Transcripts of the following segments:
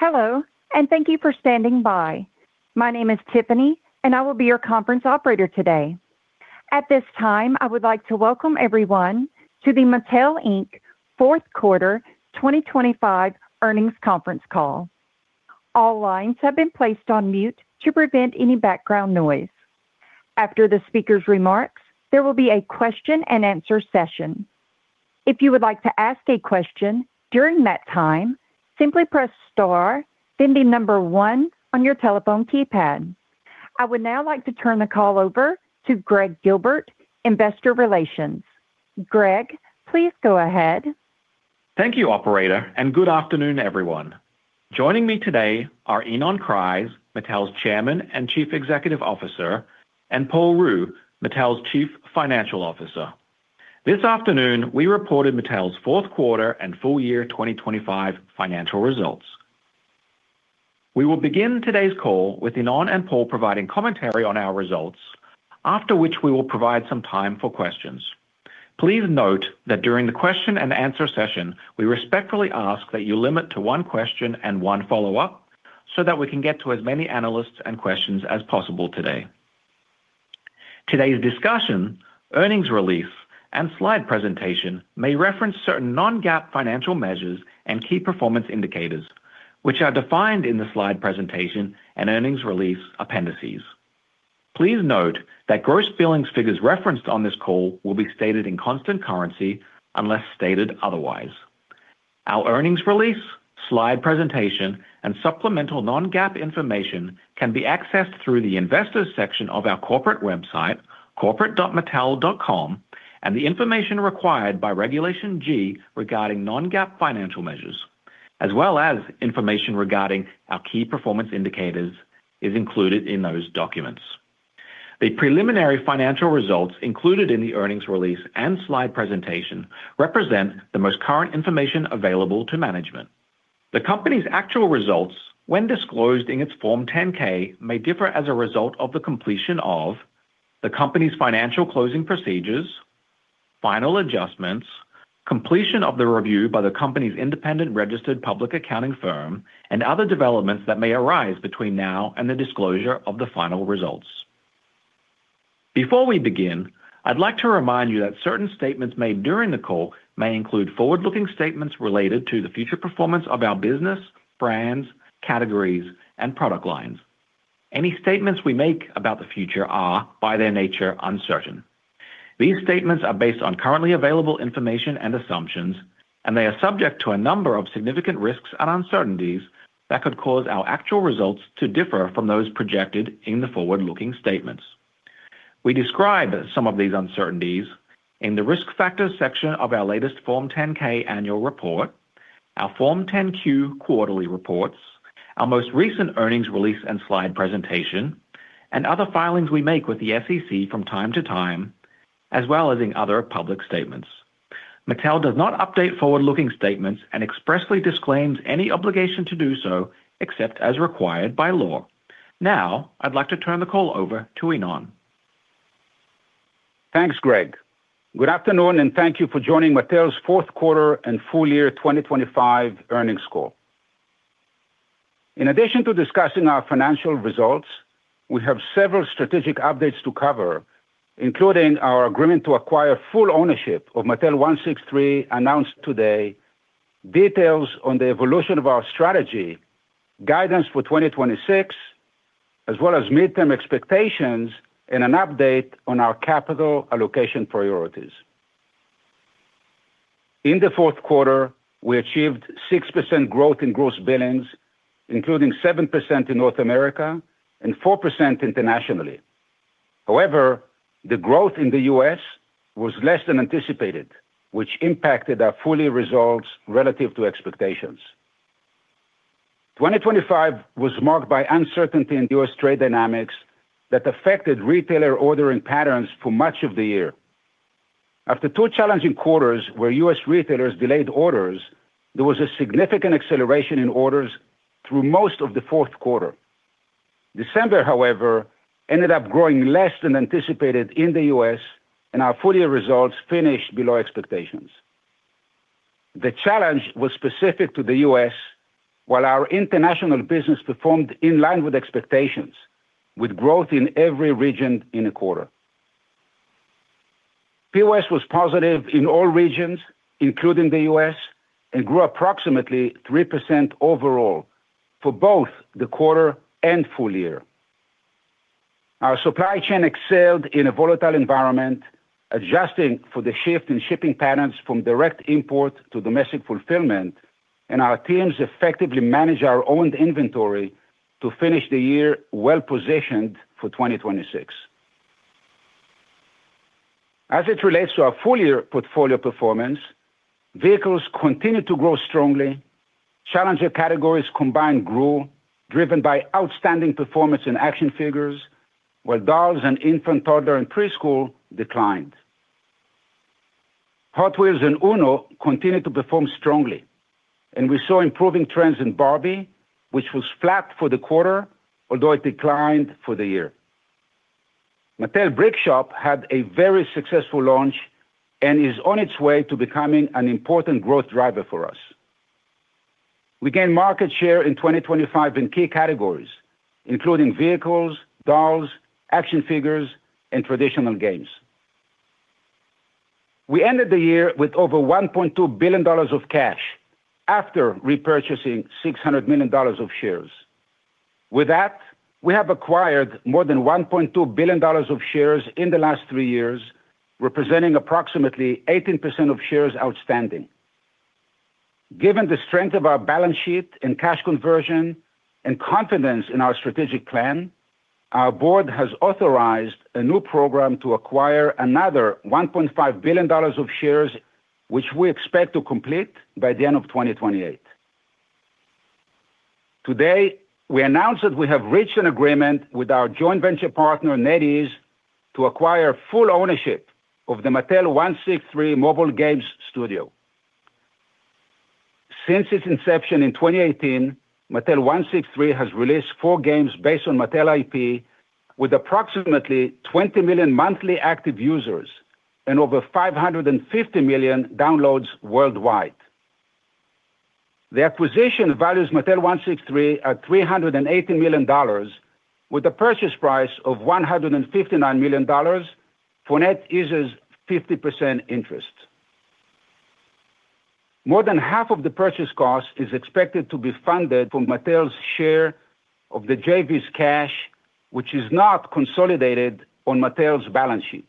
Hello, and thank you for standing by. My name is Tiffany, and I will be your conference operator today. At this time, I would like to welcome everyone to the Mattel, Inc. Fourth Quarter 2025 Earnings Conference Call. All lines have been placed on mute to prevent any background noise. After the speaker's remarks, there will be a question-and-answer session. If you would like to ask a question during that time, simply press star, then the number one on your telephone keypad. I would now like to turn the call over to Greg Gilbert, Investor Relations. Greg, please go ahead. Thank you, operator, and good afternoon, everyone. Joining me today are Ynon Kreiz, Mattel's Chairman and Chief Executive Officer, and Paul Ruh, Mattel's Chief Financial Officer. This afternoon, we reported Mattel's Fourth Quarter and Full Year 2025 Financial Results. We will begin today's call with Ynon and Paul providing commentary on our results, after which we will provide some time for questions. Please note that during the question-and-answer session, we respectfully ask that you limit to one question and one follow-up so that we can get to as many analysts and questions as possible today. Today's discussion, earnings release, and slide presentation may reference certain non-GAAP financial measures and key performance indicators, which are defined in the slide presentation and earnings release appendices. Please note that gross billings figures referenced on this call will be stated in constant currency unless stated otherwise. Our earnings release, slide presentation, and supplemental non-GAAP information can be accessed through the investors section of our corporate website, corporate.mattel.com, and the information required by Regulation G regarding non-GAAP financial measures, as well as information regarding our key performance indicators, is included in those documents. The preliminary financial results included in the earnings release and slide presentation represent the most current information available to management. The company's actual results, when disclosed in its Form 10-K, may differ as a result of the completion of the company's financial closing procedures, final adjustments, completion of the review by the company's independent registered public accounting firm, and other developments that may arise between now and the disclosure of the final results. Before we begin, I'd like to remind you that certain statements made during the call may include forward-looking statements related to the future performance of our business, brands, categories, and product lines. Any statements we make about the future are, by their nature, uncertain. These statements are based on currently available information and assumptions, and they are subject to a number of significant risks and uncertainties that could cause our actual results to differ from those projected in the forward-looking statements. We describe some of these uncertainties in the Risk Factors section of our latest Form 10-K annual report, our Form 10-Q quarterly reports, our most recent earnings release and slide presentation, and other filings we make with the SEC from time to time, as well as in other public statements. Mattel does not update forward-looking statements and expressly disclaims any obligation to do so, except as required by law. Now, I'd like to turn the call over to Ynon. Thanks, Greg. Good afternoon, and thank you for joining Mattel's Fourth Quarter and Full Year 2025 Earnings Call. In addition to discussing our financial results, we have several strategic updates to cover, including our agreement to acquire full ownership of Mattel163, announced today, details on the evolution of our strategy, guidance for 2026, as well as midterm expectations and an update on our capital allocation priorities. In the fourth quarter, we achieved 6% growth in gross billings, including 7% in North America and 4% internationally. However, the growth in the U.S. was less than anticipated, which impacted our full year results relative to expectations. 2025 was marked by uncertainty in U.S. trade dynamics that affected retailer ordering patterns for much of the year. After two challenging quarters where U.S. retailers delayed orders, there was a significant acceleration in orders through most of the fourth quarter. December, however, ended up growing less than anticipated in the U.S., and our full-year results finished below expectations. The challenge was specific to the U.S., while our international business performed in line with expectations, with growth in every region in the quarter. POS was positive in all regions, including the U.S., and grew approximately 3% overall for both the quarter and full year. Our supply chain excelled in a volatile environment, adjusting for the shift in shipping patterns from direct import to domestic fulfillment, and our teams effectively managed our owned inventory to finish the year well-positioned for 2026. As it relates to our full-year portfolio performance, vehicles continued to grow strongly. Challenger categories combined grew, driven by outstanding performance in action figures, while dolls and infant, toddler, and preschool declined. Hot Wheels and UNO continued to perform strongly, and we saw improving trends in Barbie, which was flat for the quarter, although it declined for the year. Mattel Brick Shop had a very successful launch and is on its way to becoming an important growth driver for us. We gained market share in 2025 in key categories, including vehicles, dolls, action figures, and traditional games. We ended the year with over $1.2 billion of cash after repurchasing $600 million of shares. With that, we have acquired more than $1.2 billion of shares in the last three years, representing approximately 18% of shares outstanding. Given the strength of our balance sheet and cash conversion and confidence in our strategic plan, our board has authorized a new program to acquire another $1.5 billion of shares, which we expect to complete by the end of 2028. Today, we announced that we have reached an agreement with our joint venture partner, NetEase, to acquire full ownership of the Mattel163 mobile games studio. Since its inception in 2018, Mattel163 has released four games based on Mattel IP, with approximately 20 million monthly active users and over 550 million downloads worldwide. The acquisition values Mattel163 at $380 million, with a purchase price of $159 million for NetEase's 50% interest. More than half of the purchase cost is expected to be funded from Mattel's share of the JV's cash, which is not consolidated on Mattel's balance sheet.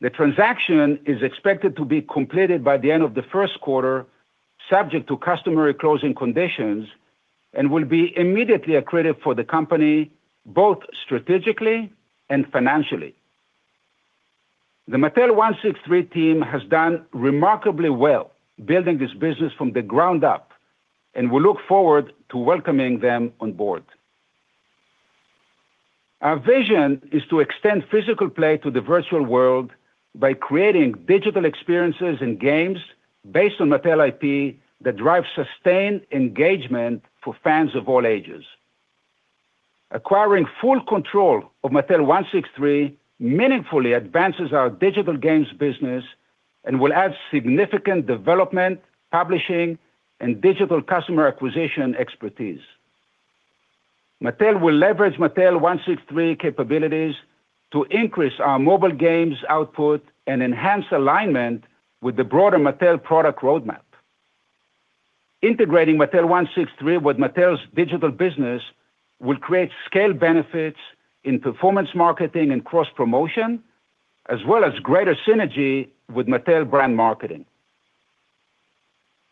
The transaction is expected to be completed by the end of the first quarter, subject to customary closing conditions, and will be immediately accretive for the company, both strategically and financially. The Mattel163 team has done remarkably well building this business from the ground up, and we look forward to welcoming them on board. Our vision is to extend physical play to the virtual world by creating digital experiences and games based on Mattel IP that drive sustained engagement for fans of all ages. Acquiring full control of Mattel163 meaningfully advances our digital games business and will add significant development, publishing, and digital customer acquisition expertise. Mattel will leverage Mattel163's capabilities to increase our mobile games output and enhance alignment with the broader Mattel product roadmap. Integrating Mattel163 with Mattel's digital business will create scale benefits in performance marketing and cross-promotion, as well as greater synergy with Mattel brand marketing.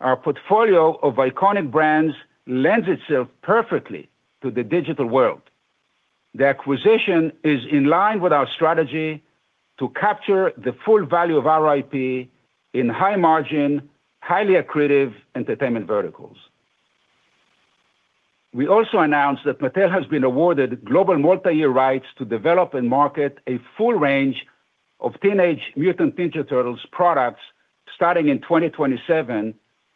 Our portfolio of iconic brands lends itself perfectly to the digital world. The acquisition is in line with our strategy to capture the full value of our IP in high-margin, highly accretive entertainment verticals. We also announced that Mattel has been awarded global multi-year rights to develop and market a full range of Teenage Mutant Ninja Turtles products starting in 2027,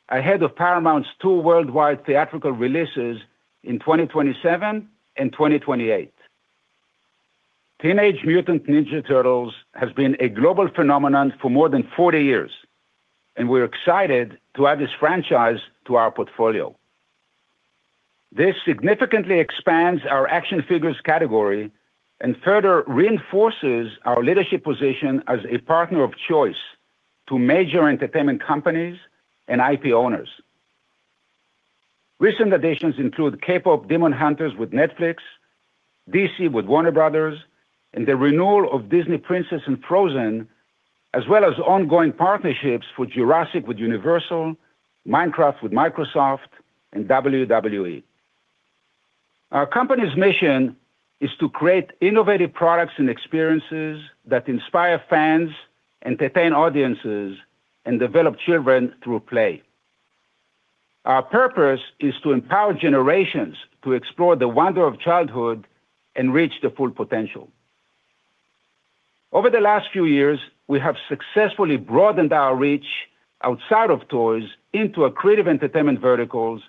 ahead of Paramount's two worldwide theatrical releases in 2027 and 2028. Teenage Mutant Ninja Turtles has been a global phenomenon for more than 40 years, and we're excited to add this franchise to our portfolio. This significantly expands our action figures category and further reinforces our leadership position as a partner of choice to major entertainment companies and IP owners. Recent additions include Kpop Demon Hunters with Netflix, DC with Warner Bros., and the renewal of Disney Princess and Frozen, as well as ongoing partnerships for Jurassic with Universal, Minecraft with Microsoft, and WWE. Our company's mission is to create innovative products and experiences that inspire fans, entertain audiences, and develop children through play. Our purpose is to empower generations to explore the wonder of childhood and reach their full potential. Over the last few years, we have successfully broadened our reach outside of toys into accretive entertainment verticals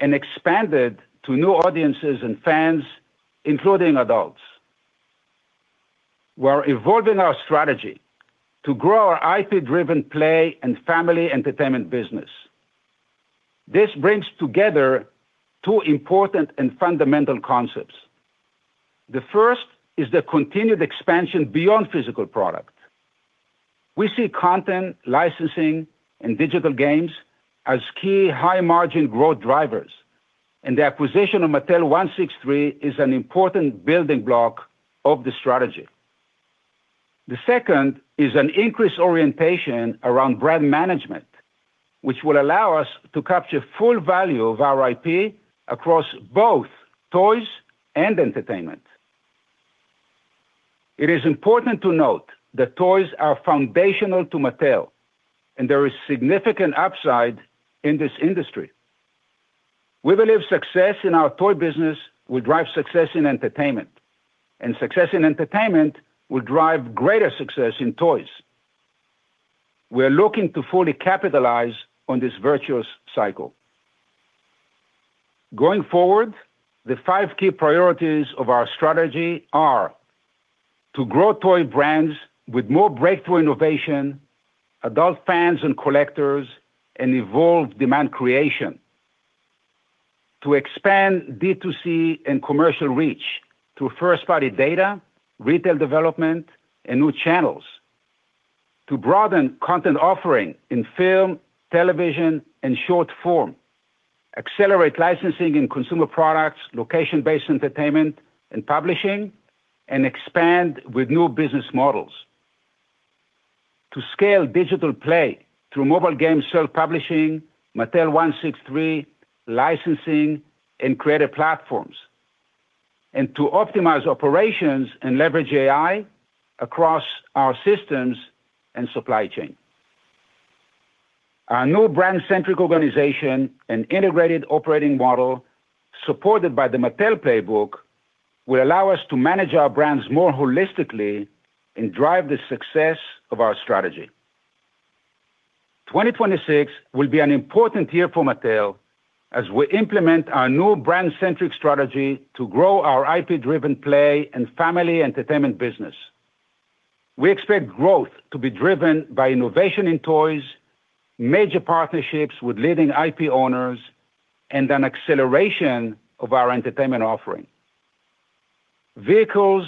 and expanded to new audiences and fans, including adults. We are evolving our strategy to grow our IP-driven play and family entertainment business. This brings together two important and fundamental concepts. The first is the continued expansion beyond physical product. We see content, licensing, and digital games as key high-margin growth drivers, and the acquisition of Mattel163 is an important building block of the strategy. The second is an increased orientation around brand management, which will allow us to capture full value of our IP across both toys and entertainment. It is important to note that toys are foundational to Mattel, and there is significant upside in this industry. We believe success in our toy business will drive success in entertainment, and success in entertainment will drive greater success in toys. We are looking to fully capitalize on this virtuous cycle. Going forward, the five key priorities of our strategy are: to grow toy brands with more breakthrough innovation, adult fans and collectors, and evolved demand creation. To expand D2C and commercial reach through first-party data, retail development, and new channels. To broaden content offering in film, television, and short form, accelerate licensing and consumer products, location-based entertainment and publishing, and expand with new business models. To scale digital play through mobile game self-publishing, Mattel163, licensing, and creative platforms, and to optimize operations and leverage AI across our systems and supply chain. Our new brand-centric organization and integrated operating model, supported by the Mattel Playbook, will allow us to manage our brands more holistically and drive the success of our strategy. 2026 will be an important year for Mattel as we implement our new brand-centric strategy to grow our IP-driven play and family entertainment business. We expect growth to be driven by innovation in toys, major partnerships with leading IP owners, and an acceleration of our entertainment offering. Vehicles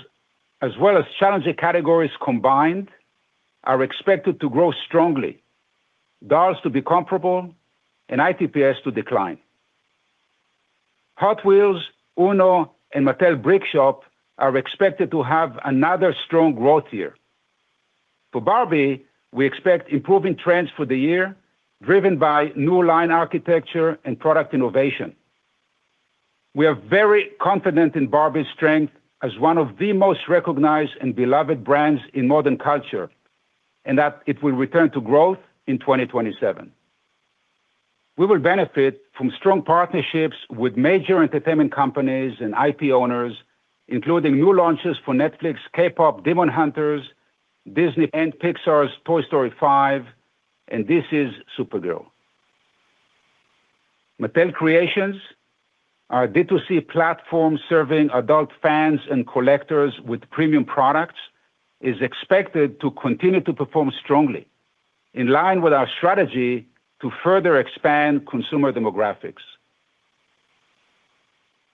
as well as challenging categories combined are expected to grow strongly, dolls to be comparable, and ITPS to decline. Hot Wheels, UNO, and Mattel Brick Shop are expected to have another strong growth year. For Barbie, we expect improving trends for the year, driven by new line architecture and product innovation. We are very confident in Barbie's strength as one of the most recognized and beloved brands in modern culture, and that it will return to growth in 2027. We will benefit from strong partnerships with major entertainment companies and IP owners, including new launches for Netflix, Kpop Demon Hunters, Disney and Pixar's Toy Story 5, and DC's Supergirl. Mattel Creations, our D2C platform, serving adult fans and collectors with premium products, is expected to continue to perform strongly in line with our strategy to further expand consumer demographics.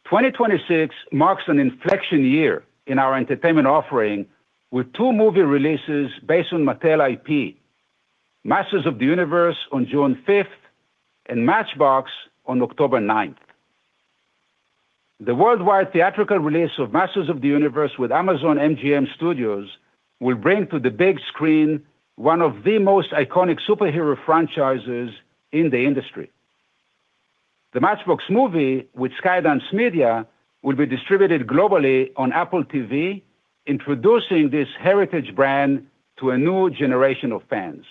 2026 marks an inflection year in our entertainment offering, with two movie releases based on Mattel IP, Masters of the Universe on June 5th and Matchbox on October 9th. The worldwide theatrical release of Masters of the Universe with Amazon MGM Studios will bring to the big screen one of the most iconic superhero franchises in the industry. The Matchbox movie with Skydance Media will be distributed globally on Apple TV, introducing this heritage brand to a new generation of fans.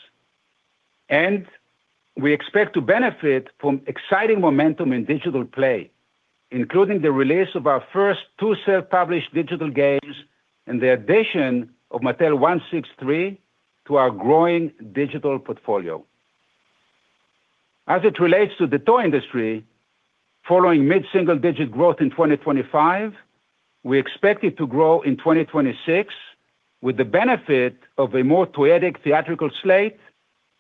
We expect to benefit from exciting momentum in digital play, including the release of our first two self-published digital games and the addition of Mattel163 to our growing digital portfolio. As it relates to the toy industry, following mid-single-digit growth in 2025, we expect it to grow in 2026, with the benefit of a more toyetic theatrical slate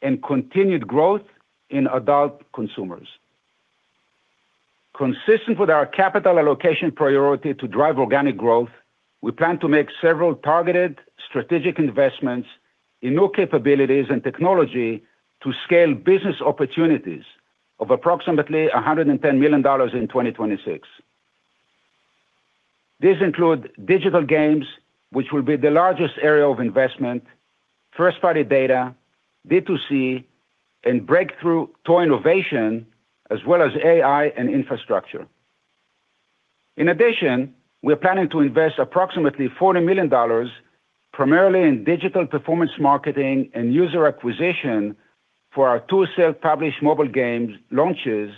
and continued growth in adult consumers. Consistent with our capital allocation priority to drive organic growth, we plan to make several targeted strategic investments in new capabilities and technology to scale business opportunities of approximately $110 million in 2026. These include digital games, which will be the largest area of investment, first-party data, D2C, and breakthrough toy innovation, as well as AI and infrastructure. In addition, we are planning to invest approximately $40 million, primarily in digital performance marketing and user acquisition for our two self-published mobile games launches,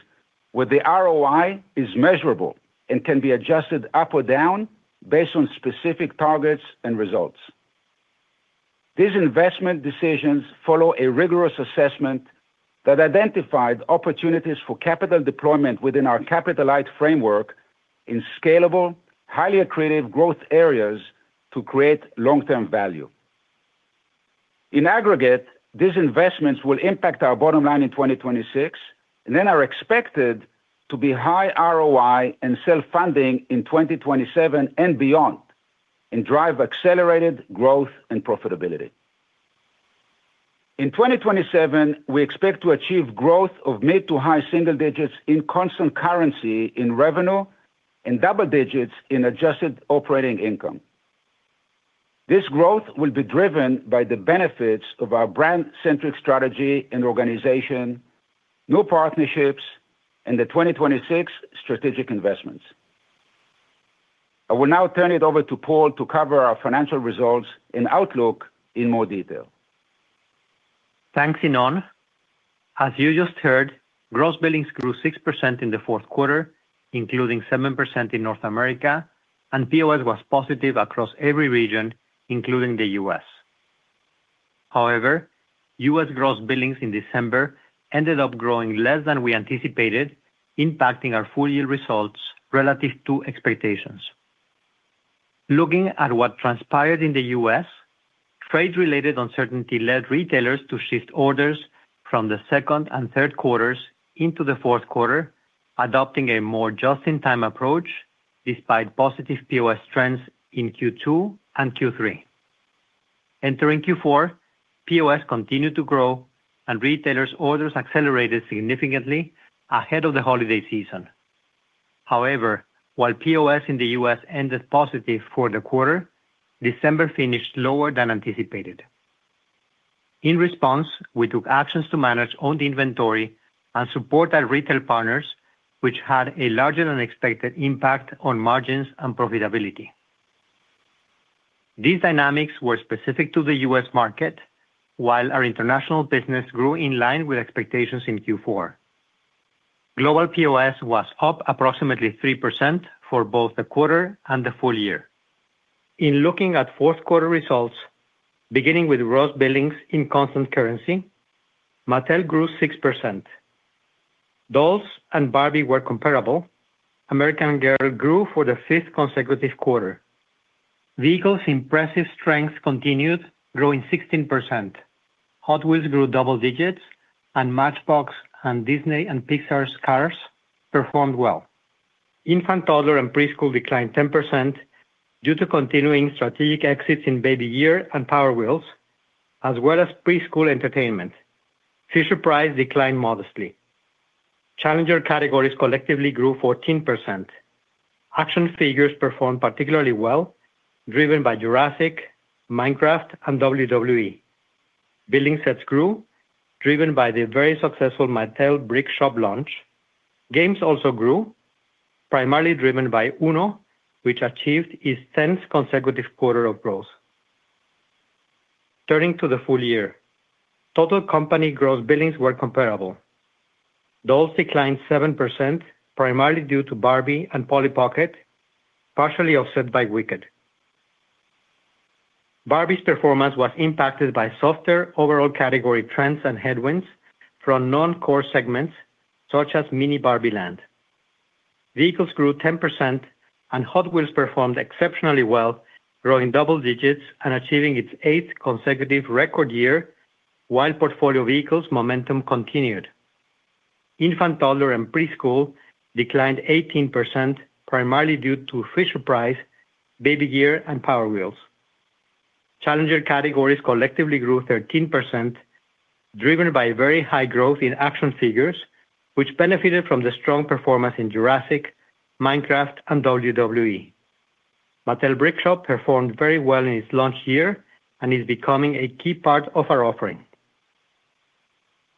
where the ROI is measurable and can be adjusted up or down based on specific targets and results. These investment decisions follow a rigorous assessment that identified opportunities for capital deployment within our capital-light framework in scalable, highly accretive growth areas to create long-term value. In aggregate, these investments will impact our bottom line in 2026 and then are expected to be high-ROI and self-funding in 2027 and beyond, and drive accelerated growth and profitability. In 2027, we expect to achieve growth of mid- to high-single digits in constant currency in revenue and double digits in adjusted operating income. This growth will be driven by the benefits of our brand-centric strategy and organization, new partnerships, and the 2026 strategic investments. I will now turn it over to Paul to cover our financial results and outlook in more detail. Thanks, Ynon. As you just heard, gross billings grew 6% in the fourth quarter, including 7% in North America, and POS was positive across every region, including the U.S. However, U.S. gross billings in December ended up growing less than we anticipated, impacting our full year results relative to expectations. Looking at what transpired in the U.S., trade-related uncertainty led retailers to shift orders from the second and third quarters into the fourth quarter, adopting a more just-in-time approach, despite positive POS trends in Q2 and Q3. Entering Q4, POS continued to grow, and retailers' orders accelerated significantly ahead of the holiday season. However, while POS in the U.S. ended positive for the quarter, December finished lower than anticipated. In response, we took actions to manage owned inventory and support our retail partners, which had a larger-than-expected impact on margins and profitability. These dynamics were specific to the U.S. market, while our international business grew in line with expectations in Q4. Global POS was up approximately 3% for both the quarter and the full year. In looking at fourth quarter results, beginning with gross billings in constant currency, Mattel grew 6%. Dolls and Barbie were comparable. American Girl grew for the 5th consecutive quarter. Vehicles' impressive strength continued, growing 16%. Hot Wheels grew double digits, and Matchbox and Disney and Pixar's Cars performed well. Infant, toddler, and preschool declined 10% due to continuing strategic exits in Baby Gear and Power Wheels, as well as preschool entertainment. Fisher-Price declined modestly. Challenger categories collectively grew 14%. Action Figures performed particularly well, driven by Jurassic, Minecraft, and WWE. Building sets grew, driven by the very successful Mattel Brick Shop launch. Games also grew, primarily driven by UNO, which achieved its tenth consecutive quarter of growth. Turning to the full year, total company gross billings were comparable. Dolls declined 7%, primarily due to Barbie and Polly Pocket, partially offset by Wicked. Barbie's performance was impacted by softer overall category trends and headwinds from non-core segments, such as Mini BarbieLand. Vehicles grew 10%, and Hot Wheels performed exceptionally well, growing double digits and achieving its eighth consecutive record year, while portfolio vehicles momentum continued. Infant, toddler, and preschool declined 18%, primarily due to Fisher-Price, Baby Gear, and Power Wheels. Challenger categories collectively grew 13%, driven by very high growth in action figures, which benefited from the strong performance in Jurassic, Minecraft, and WWE. Mattel Brick Shop performed very well in its launch year and is becoming a key part of our offering.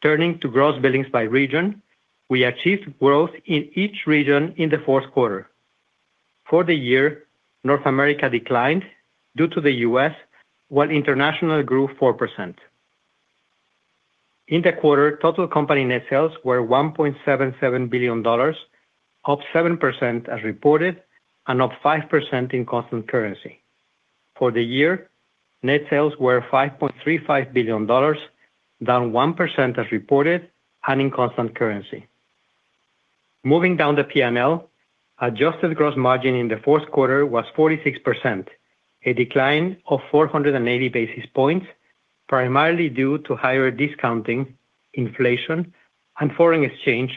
Turning to gross billings by region, we achieved growth in each region in the fourth quarter. For the year, North America declined due to the U.S., while international grew 4%. In the quarter, total company net sales were $1.77 billion, up 7% as reported and up 5% in constant currency. For the year, net sales were $5.35 billion, down 1% as reported and in constant currency. Moving down the P&L, adjusted gross margin in the fourth quarter was 46%, a decline of 480 basis points, primarily due to higher discounting, inflation, and foreign exchange,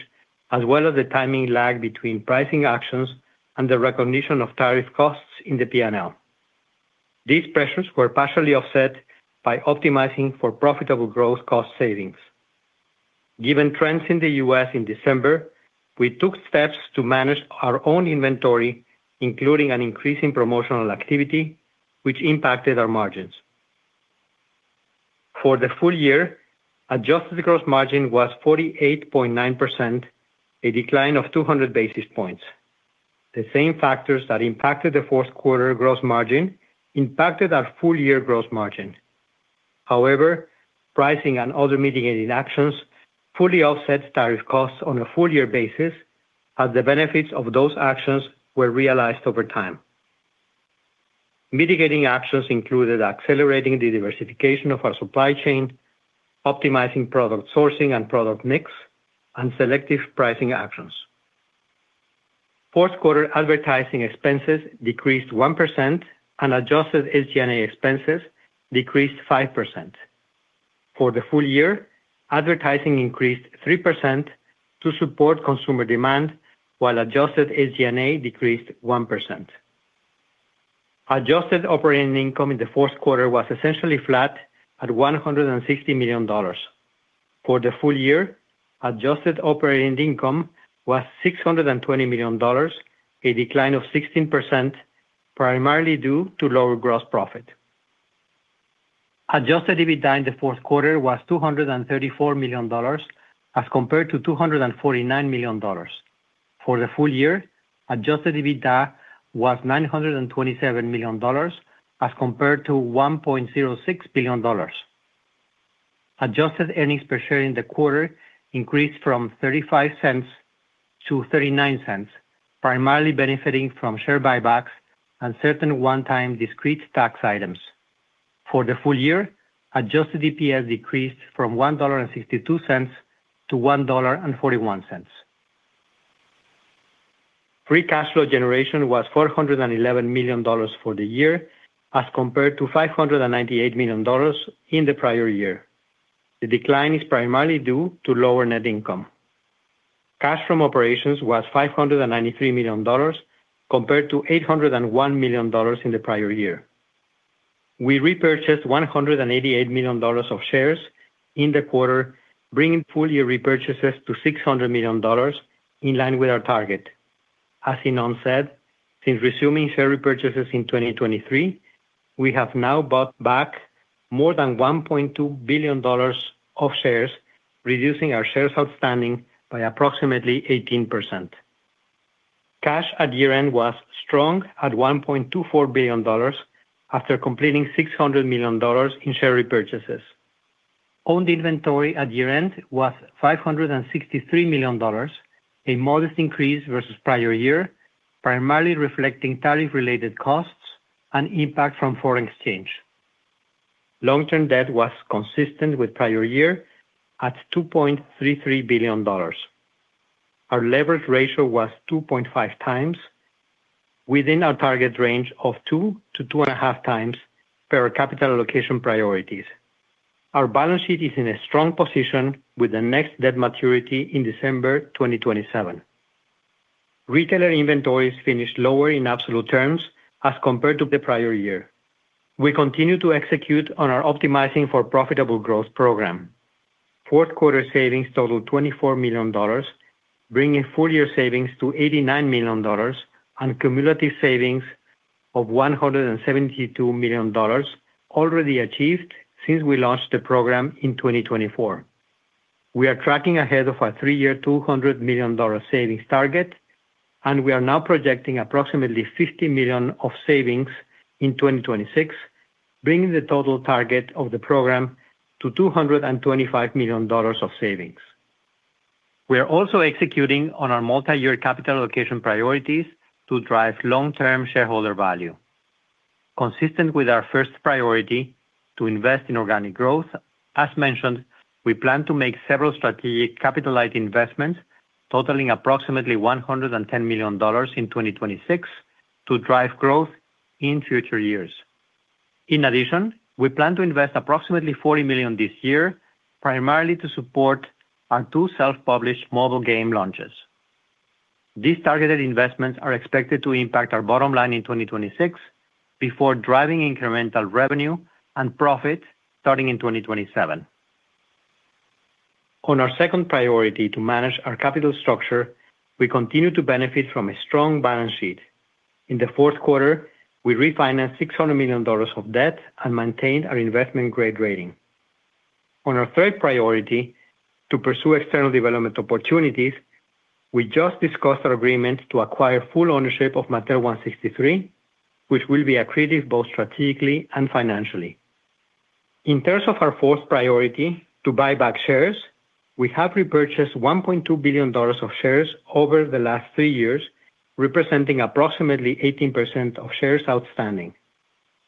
as well as the timing lag between pricing actions and the recognition of tariff costs in the P&L. These pressures were partially offset by Optimizing for Profitable Growth cost savings. Given trends in the U.S. in December, we took steps to manage our own inventory, including an increase in promotional activity, which impacted our margins. For the full year, adjusted gross margin was 48.9%, a decline of 200 basis points. The same factors that impacted the fourth quarter gross margin impacted our full-year gross margin. However, pricing and other mitigating actions fully offset tariff costs on a full-year basis, as the benefits of those actions were realized over time. Mitigating actions included accelerating the diversification of our supply chain, optimizing product sourcing and product mix, and selective pricing actions. Fourth quarter advertising expenses decreased 1%, and adjusted SG&A expenses decreased 5%. For the full year, advertising increased 3% to support consumer demand, while adjusted SG&A decreased 1%. Adjusted operating income in the fourth quarter was essentially flat at $160 million. For the full year, adjusted operating income was $620 million, a decline of 16%, primarily due to lower gross profit. Adjusted EBITDA in the fourth quarter was $234 million, as compared to $249 million. For the full year, adjusted EBITDA was $927 million, as compared to $1.06 billion. Adjusted earnings per share in the quarter increased from $0.35-$0.39, primarily benefiting from share buybacks and certain one-time discrete tax items. For the full year, adjusted EPS decreased from $1.62-$1.41. Free cash flow generation was $411 million for the year, as compared to $598 million in the prior year. The decline is primarily due to lower net income. Cash from operations was $593 million, compared to $801 million in the prior year. We repurchased $188 million of shares in the quarter, bringing full-year repurchases to $600 million, in line with our target. As Ynon said, "Since resuming share repurchases in 2023, we have now bought back more than $1.2 billion of shares, reducing our shares outstanding by approximately 18%." Cash at year-end was strong at $1.24 billion, after completing $600 million in share repurchases. Owned inventory at year-end was $563 million, a modest increase versus prior year, primarily reflecting tariff-related costs and impact from foreign exchange. Long-term debt was consistent with prior year at $2.33 billion. Our leverage ratio was 2.5x, within our target range of 2x-2.5x per capital allocation priorities. Our balance sheet is in a strong position with the next debt maturity in December 2027. Retailer inventories finished lower in absolute terms as compared to the prior year. We continue to execute on our optimizing for profitable growth program. Fourth quarter savings totaled $24 million, bringing full-year savings to $89 million, and cumulative savings of $172 million already achieved since we launched the program in 2024. We are tracking ahead of our three-year, $200 million savings target, and we are now projecting approximately $50 million of savings in 2026, bringing the total target of the program to $225 million of savings. We are also executing on our multi-year capital allocation priorities to drive long-term shareholder value. Consistent with our first priority to invest in organic growth, as mentioned, we plan to make several strategic capital-light investments totaling approximately $110 million in 2026 to drive growth in future years. In addition, we plan to invest approximately $40 million this year, primarily to support our two self-published mobile game launches. These targeted investments are expected to impact our bottom line in 2026 before driving incremental revenue and profit starting in 2027. On our second priority to manage our capital structure, we continue to benefit from a strong balance sheet. In the fourth quarter, we refinanced $600 million of debt and maintained our investment-grade rating. On our third priority to pursue external development opportunities, we just discussed our agreement to acquire full ownership of Mattel163, which will be accretive, both strategically and financially. In terms of our fourth priority to buy back shares, we have repurchased $1.2 billion of shares over the last three years, representing approximately 18% of shares outstanding.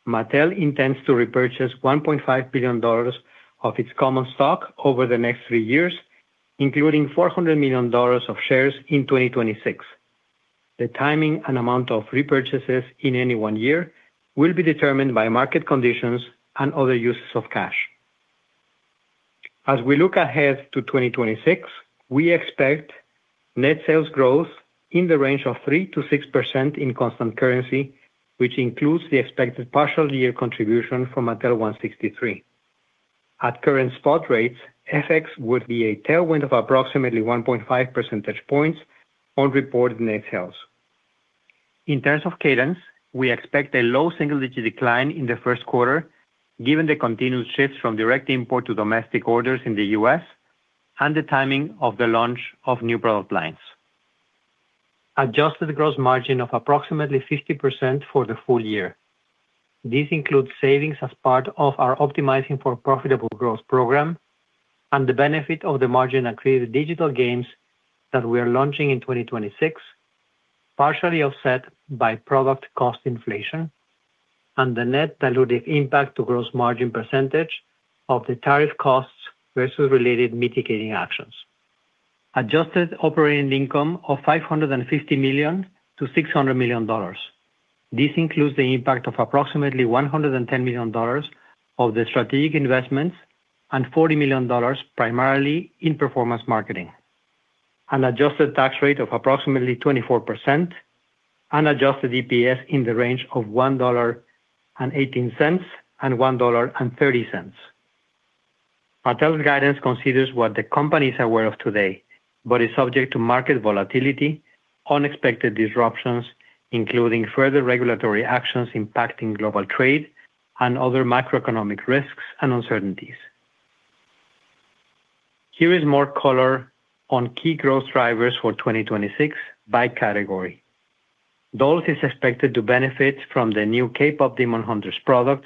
Mattel intends to repurchase $1.5 billion of its common stock over the next three years, including $400 million of shares in 2026. The timing and amount of repurchases in any one year will be determined by market conditions and other uses of cash. As we look ahead to 2026, we expect net sales growth in the range of 3%-6% in constant currency, which includes the expected partial year contribution from Mattel163. At current spot rates, FX would be a tailwind of approximately 1.5 percentage points on reported net sales. In terms of cadence, we expect a low single-digit decline in the first quarter, given the continued shifts from direct import to domestic orders in the U.S. and the timing of the launch of new product lines. Adjusted gross margin of approximately 50% for the full year. This includes savings as part of our optimizing for profitable growth program and the benefit of the margin accretive digital games that we are launching in 2026, partially offset by product cost inflation and the net dilutive impact to gross margin percentage of the tariff costs versus related mitigating actions. Adjusted operating income of $550 million to $600 million. This includes the impact of approximately $110 million of the strategic investments and $40 million primarily in performance marketing. An adjusted tax rate of approximately 24%, and adjusted EPS in the range of $1.18-$1.30. Mattel's guidance considers what the company is aware of today, but is subject to market volatility, unexpected disruptions, including further regulatory actions impacting global trade and other macroeconomic risks and uncertainties. Here is more color on key growth drivers for 2026 by category. Dolls is expected to benefit from the new Kpop Demon Hunters product,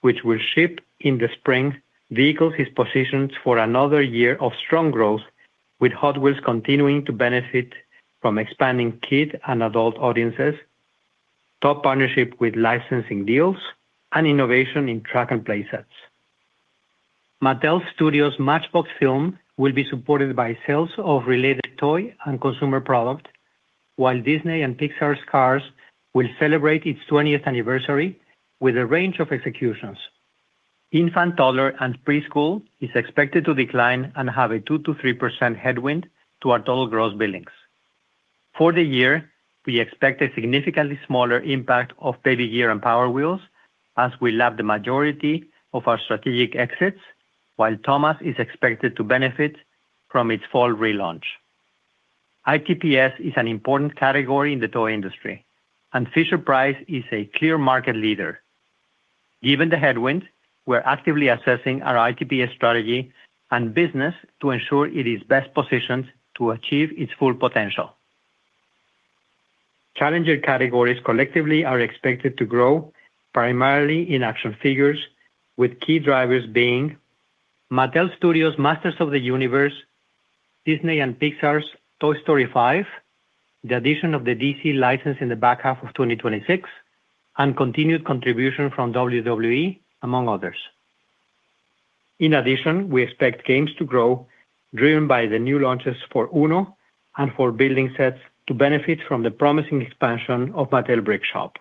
which will ship in the spring. Vehicles is positioned for another year of strong growth, with Hot Wheels continuing to benefit from expanding kid and adult audiences, top partnership with licensing deals, and innovation in track and play sets. Mattel Studios' Matchbox film will be supported by sales of related toy and consumer product, while Disney and Pixar's Cars will celebrate its 20th anniversary with a range of executions. Infant, toddler, and preschool is expected to decline and have a 2%-3% headwind to our total gross billings. For the year, we expect a significantly smaller impact of Baby Gear and Power Wheels as we lap the majority of our strategic exits, while Thomas is expected to benefit from its fall relaunch. ITPS is an important category in the toy industry, and Fisher-Price is a clear market leader. Given the headwind, we're actively assessing our ITPS strategy and business to ensure it is best positioned to achieve its full potential. Challenger categories collectively are expected to grow primarily in action figures, with key drivers being Mattel Studios' Masters of the Universe, Disney and Pixar's Toy Story 5, the addition of the DC license in the back half of 2026, and continued contribution from WWE, among others. In addition, we expect games to grow, driven by the new launches for UNO and for building sets to benefit from the promising expansion of Mattel Brick Shop.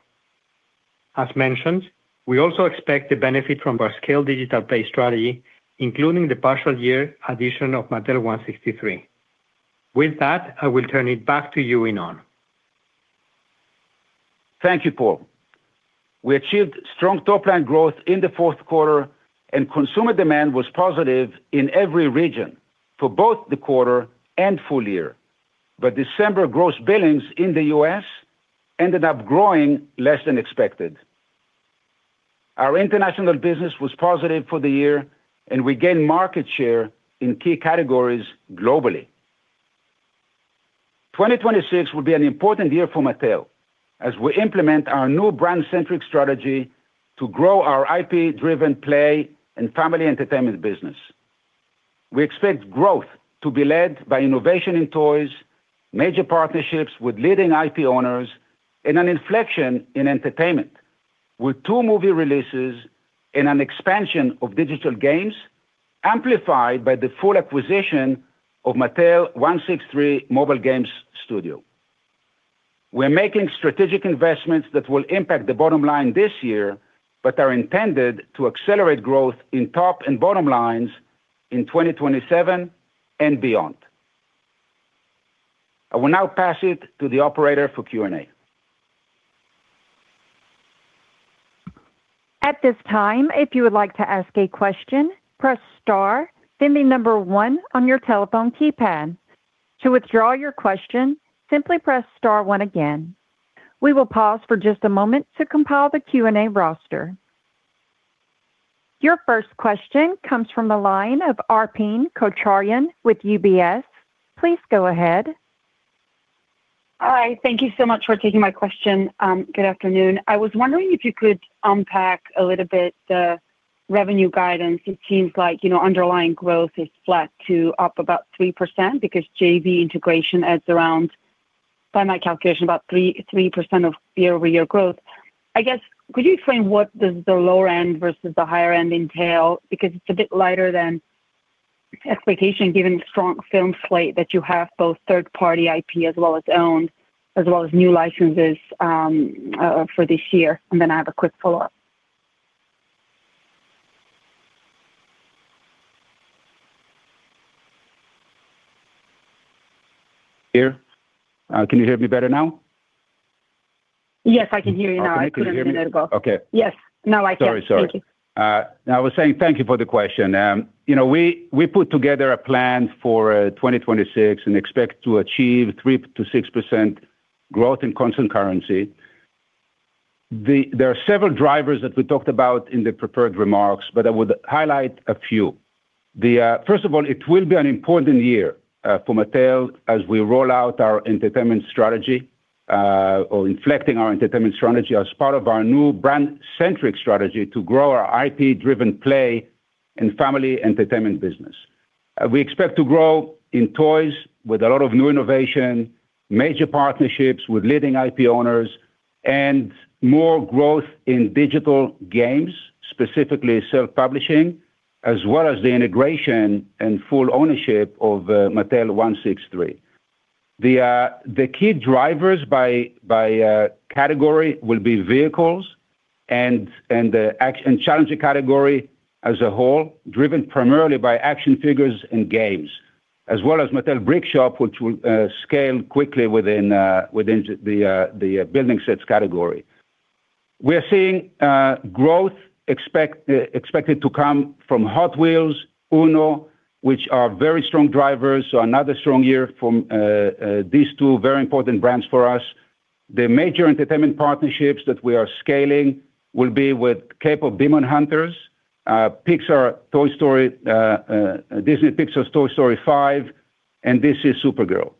As mentioned, we also expect to benefit from our scale digital play strategy, including the partial year addition of Mattel163. With that, I will turn it back to you, Ynon. Thank you, Paul. We achieved strong top line growth in the fourth quarter, and consumer demand was positive in every region for both the quarter and full year. But December gross billings in the U.S. ended up growing less than expected. Our international business was positive for the year, and we gained market share in key categories globally. 2026 will be an important year for Mattel as we implement our new brand-centric strategy to grow our IP-driven play and family entertainment business. We expect growth to be led by innovation in toys, major partnerships with leading IP owners, and an inflection in entertainment, with two movie releases and an expansion of digital games, amplified by the full acquisition of Mattel163 mobile games studio. We're making strategic investments that will impact the bottom line this year, but are intended to accelerate growth in top and bottom lines in 2027 and beyond. I will now pass it to the operator for Q&A. At this time, if you would like to ask a question, press star, then the number one on your telephone keypad. To withdraw your question, simply press star one again. We will pause for just a moment to compile the Q&A roster. Your first question comes from the line of Arpine Kocharyan with UBS. Please go ahead. Hi, thank you so much for taking my question. Good afternoon. I was wondering if you could unpack a little bit the revenue guidance? It seems like, you know, underlying growth is flat to up about 3% because JV integration adds around, by my calculation, about 3, 3% of year-over-year growth. I guess, could you explain what does the lower end versus the higher end entail? Because it's a bit lighter than expectation, given the strong film slate that you have, both third-party IP as well as owned, as well as new licenses, for this year. And then I have a quick follow-up. I was saying thank you for the question. You know, we put together a plan for 2026 and expect to achieve 3%-6% growth in constant currency. There are several drivers that we talked about in the prepared remarks, but I would highlight a few. First of all, it will be an important year for Mattel as we roll out our entertainment strategy or inflecting our entertainment strategy as part of our new brand-centric strategy to grow our IP-driven play and family entertainment business. We expect to grow in toys with a lot of new innovation, major partnerships with leading IP owners, and more growth in digital games, specifically self-publishing, as well as the integration and full ownership of Mattel163. The key drivers by category will be vehicles and the action and challenger category as a whole, driven primarily by action figures and games, as well as Mattel Brick Shop, which will scale quickly within the building sets category. We are seeing growth expected to come from Hot Wheels, UNO, which are very strong drivers, so another strong year from these two very important brands for us. The major entertainment partnerships that we are scaling will be with Kpop Demon Hunters, Pixar Toy Story, Disney Pixar Toy Story 5, and This is Supergirl.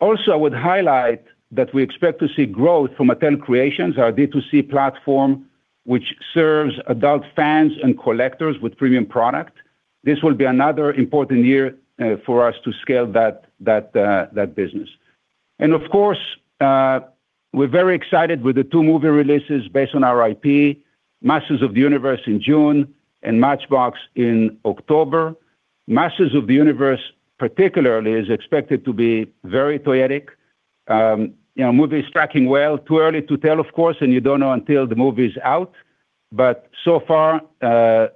Also, I would highlight that we expect to see growth from Mattel Creations, our D2C platform, which serves adult fans and collectors with premium product. This will be another important year for us to scale that business. And of course, we're very excited with the two movie releases based on our IP, Masters of the Universe in June and Matchbox in October. Masters of the Universe, particularly, is expected to be very toyetic. You know, movie is tracking well, too early to tell, of course, and you don't know until the movie's out. But so far,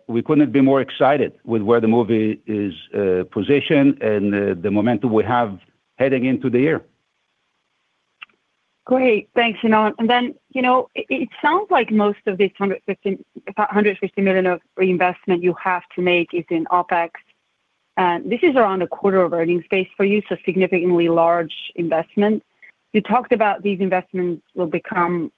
we couldn't be more excited with where the movie is positioned and the momentum we have heading into the year. Great. Thanks, Ynon. And then, you know, it sounds like most of this $150 million of reinvestment you have to make is in OpEx. And this is around a quarter of earning space for you, so significantly large investment. You talked about these investments will become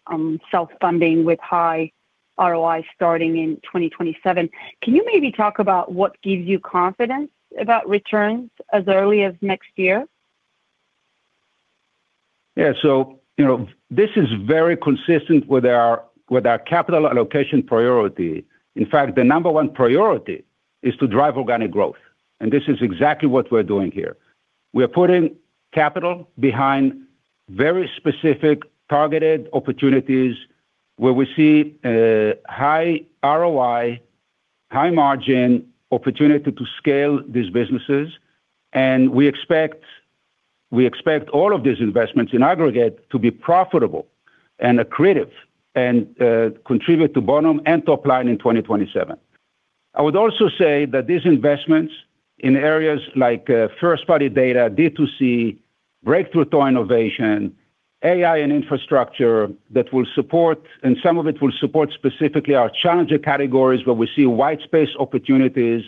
self-funding with high ROI starting in 2027. Can you maybe talk about what gives you confidence about returns as early as next year? This is very consistent with our, with our capital allocation priority. In fact, the number one priority is to drive organic growth, and this is exactly what we're doing here. We are putting capital behind very specific targeted opportunities where we see a high ROI, high margin opportunity to scale these businesses, and we expect, we expect all of these investments in aggregate to be profitable and accretive, and, contribute to bottom and top line in 2027. I would also say that these investments in areas like, first-party data, D2C, breakthrough to innovation, AI and infrastructure that will support, and some of it will support specifically our challenger categories, where we see wide space opportunities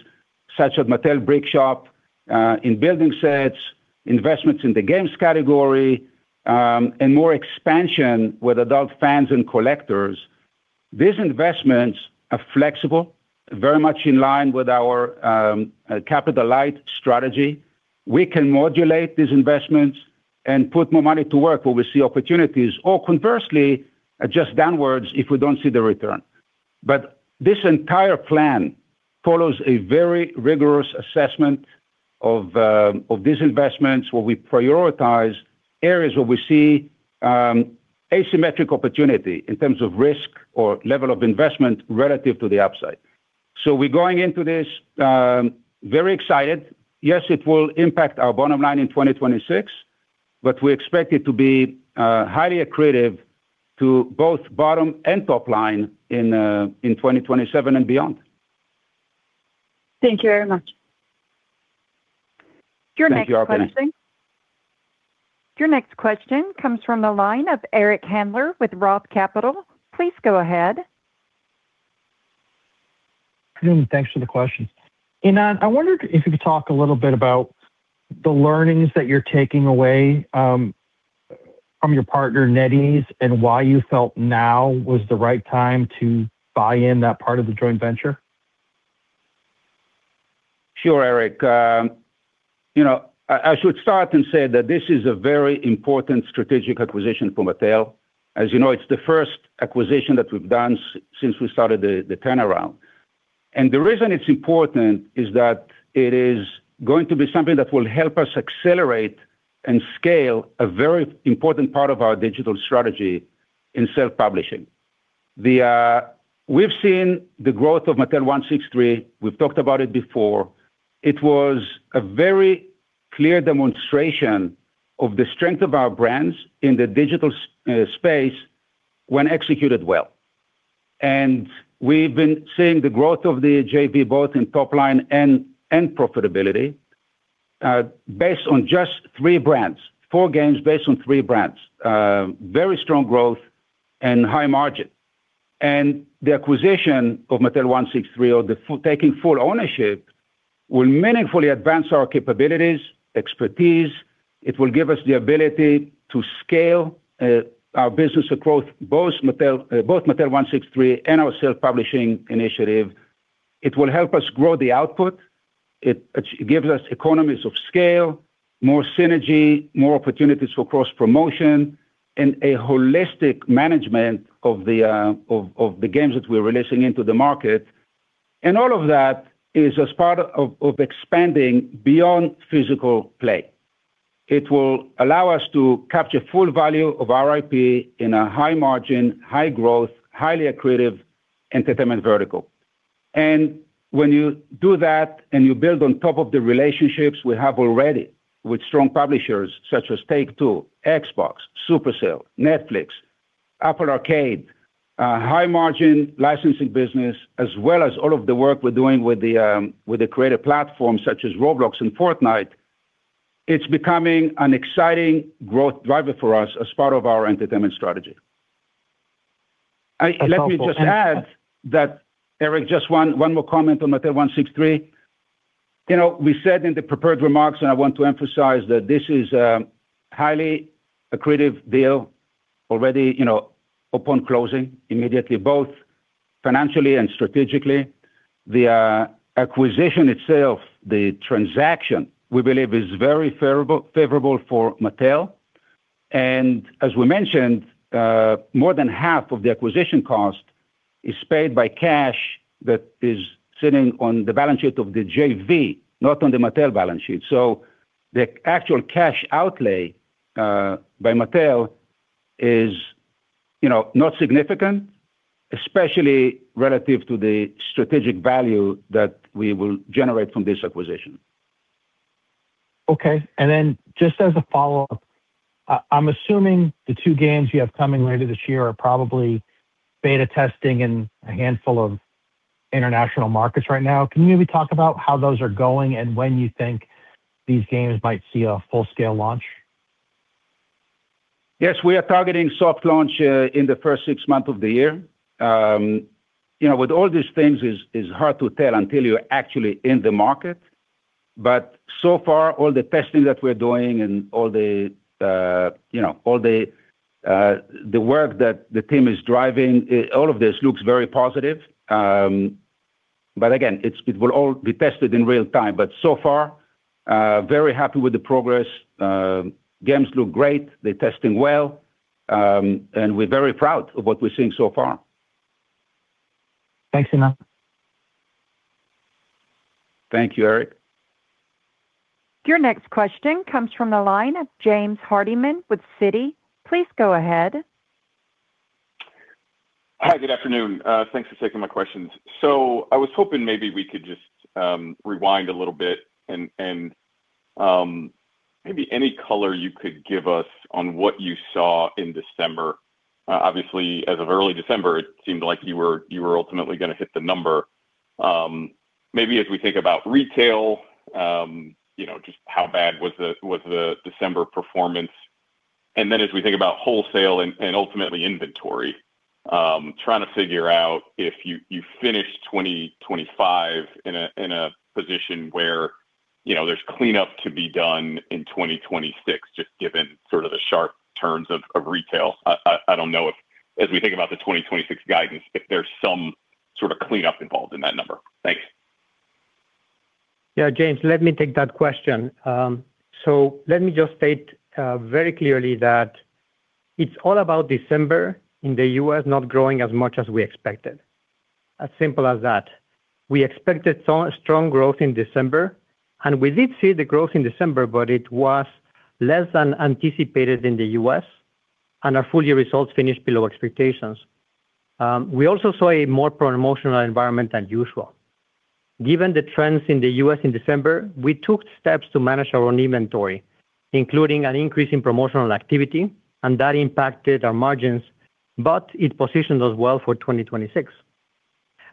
such as Mattel Brick Shop, in building sets, investments in the games category, and more expansion with adult fans and collectors. These investments are flexible, very much in line with our capital-light strategy. We can modulate these investments and put more money to work where we see opportunities, or conversely, adjust downwards if we don't see the return. But this entire plan follows a very rigorous assessment of these investments, where we prioritize areas where we see asymmetric opportunity in terms of risk or level of investment relative to the upside. So we're going into this very excited. Yes, it will impact our bottom line in 2026, but we expect it to be highly accretive to both bottom and top line in 2027 and beyond. Thank you very much. Thank you, Arpine. Your next question comes from the line of Eric Handler with Roth Capital. Please go ahead. Good evening. Thanks for the questions. Ynon, I wondered if you could talk a little bit about the learnings that you're taking away, from your partner, NetEase, and why you felt now was the right time to buy in that part of the joint venture? Sure, Eric. You know, I should start and say that this is a very important strategic acquisition for Mattel. As you know, it's the first acquisition that we've done since we started the turnaround. And the reason it's important is that it is going to be something that will help us accelerate and scale a very important part of our digital strategy in self-publishing. We've seen the growth of Mattel163. We've talked about it before. It was a very clear demonstration of the strength of our brands in the digital space when executed well. And we've been seeing the growth of the JV, both in top line and profitability, based on just three brands, four games based on three brands. Very strong growth and high margin. The acquisition of Mattel163, or taking full ownership, will meaningfully advance our capabilities, expertise. It will give us the ability to scale our business across both Mattel, both Mattel163 and our self-publishing initiative. It will help us grow the output. It gives us economies of scale, more synergy, more opportunities for cross-promotion, and a holistic management of the games that we're releasing into the market. And all of that is as part of expanding beyond physical play. It will allow us to capture full value of our IP in a high-margin, high-growth, highly accretive entertainment vertical. And when you do that, and you build on top of the relationships we have already with strong publishers such as Take-Two, Xbox, Supercell, Netflix, Apple Arcade, high-margin licensing business, as well as all of the work we're doing with the with the creative platforms such as Roblox and Fortnite, it's becoming an exciting growth driver for us as part of our entertainment strategy. Let me just add that, Eric, just one more comment on Mattel163. You know, we said in the prepared remarks, and I want to emphasize, that this is a highly accretive deal already, you know, upon closing immediately, both financially and strategically. The acquisition itself, the transaction, we believe, is very favorable, favorable for Mattel. As we mentioned, more than half of the acquisition cost is paid by cash that is sitting on the balance sheet of the JV, not on the Mattel balance sheet. So the actual cash outlay by Mattel is, you know, not significant, especially relative to the strategic value that we will generate from this acquisition. Okay. Then just as a follow-up, I'm assuming the two games you have coming later this year are probably beta testing in a handful of international markets right now. Can you maybe talk about how those are going and when you think these games might see a full-scale launch? Yes, we are targeting soft launch in the first six months of the year. You know, with all these things, it is hard to tell until you're actually in the market. But so far, all the testing that we're doing and all the, you know, all the, the work that the team is driving, all of this looks very positive. But again, it will all be tested in real time. But so far, very happy with the progress. Games look great. They're testing well, and we're very proud of what we're seeing so far. Thanks a lot. Thank you, Eric. Your next question comes from the line of James Hardiman with Citi. Please go ahead. Hi, good afternoon. Thanks for taking my questions. So I was hoping maybe we could just rewind a little bit and maybe any color you could give us on what you saw in December. Obviously, as of early December, it seemed like you were ultimately gonna hit the number. Maybe as we think about retail, you know, just how bad was the December performance? And then as we think about wholesale and ultimately inventory, trying to figure out if you finished 2025 in a position where, you know, there's cleanup to be done in 2026, just given sort of the sharp turns of retail. I don't know if, as we think about the 2026 guidance, if there's some sort of cleanup involved in that number. Thanks. Yeah, James, let me take that question. So let me just state very clearly that it's all about December in the U.S. not growing as much as we expected. As simple as that. We expected strong, strong growth in December, and we did see the growth in December, but it was less than anticipated in the U.S., and our full year results finished below expectations. We also saw a more promotional environment than usual. Given the trends in the U.S. in December, we took steps to manage our own inventory, including an increase in promotional activity, and that impacted our margins, but it positioned us well for 2026.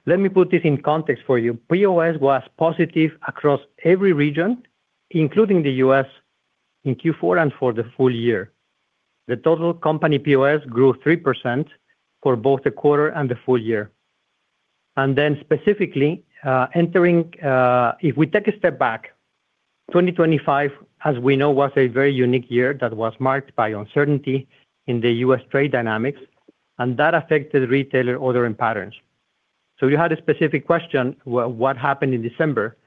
Let me put this in context for you. POS was positive across every region, including the U.S., in Q4 and for the full year. The total company POS grew 3% for both the quarter and the full year. And then specifically, if we take a step back, 2025, as we know, was a very unique year that was marked by uncertainty in the U.S. trade dynamics, and that affected retailer ordering patterns. So you had a specific question, what happened in December?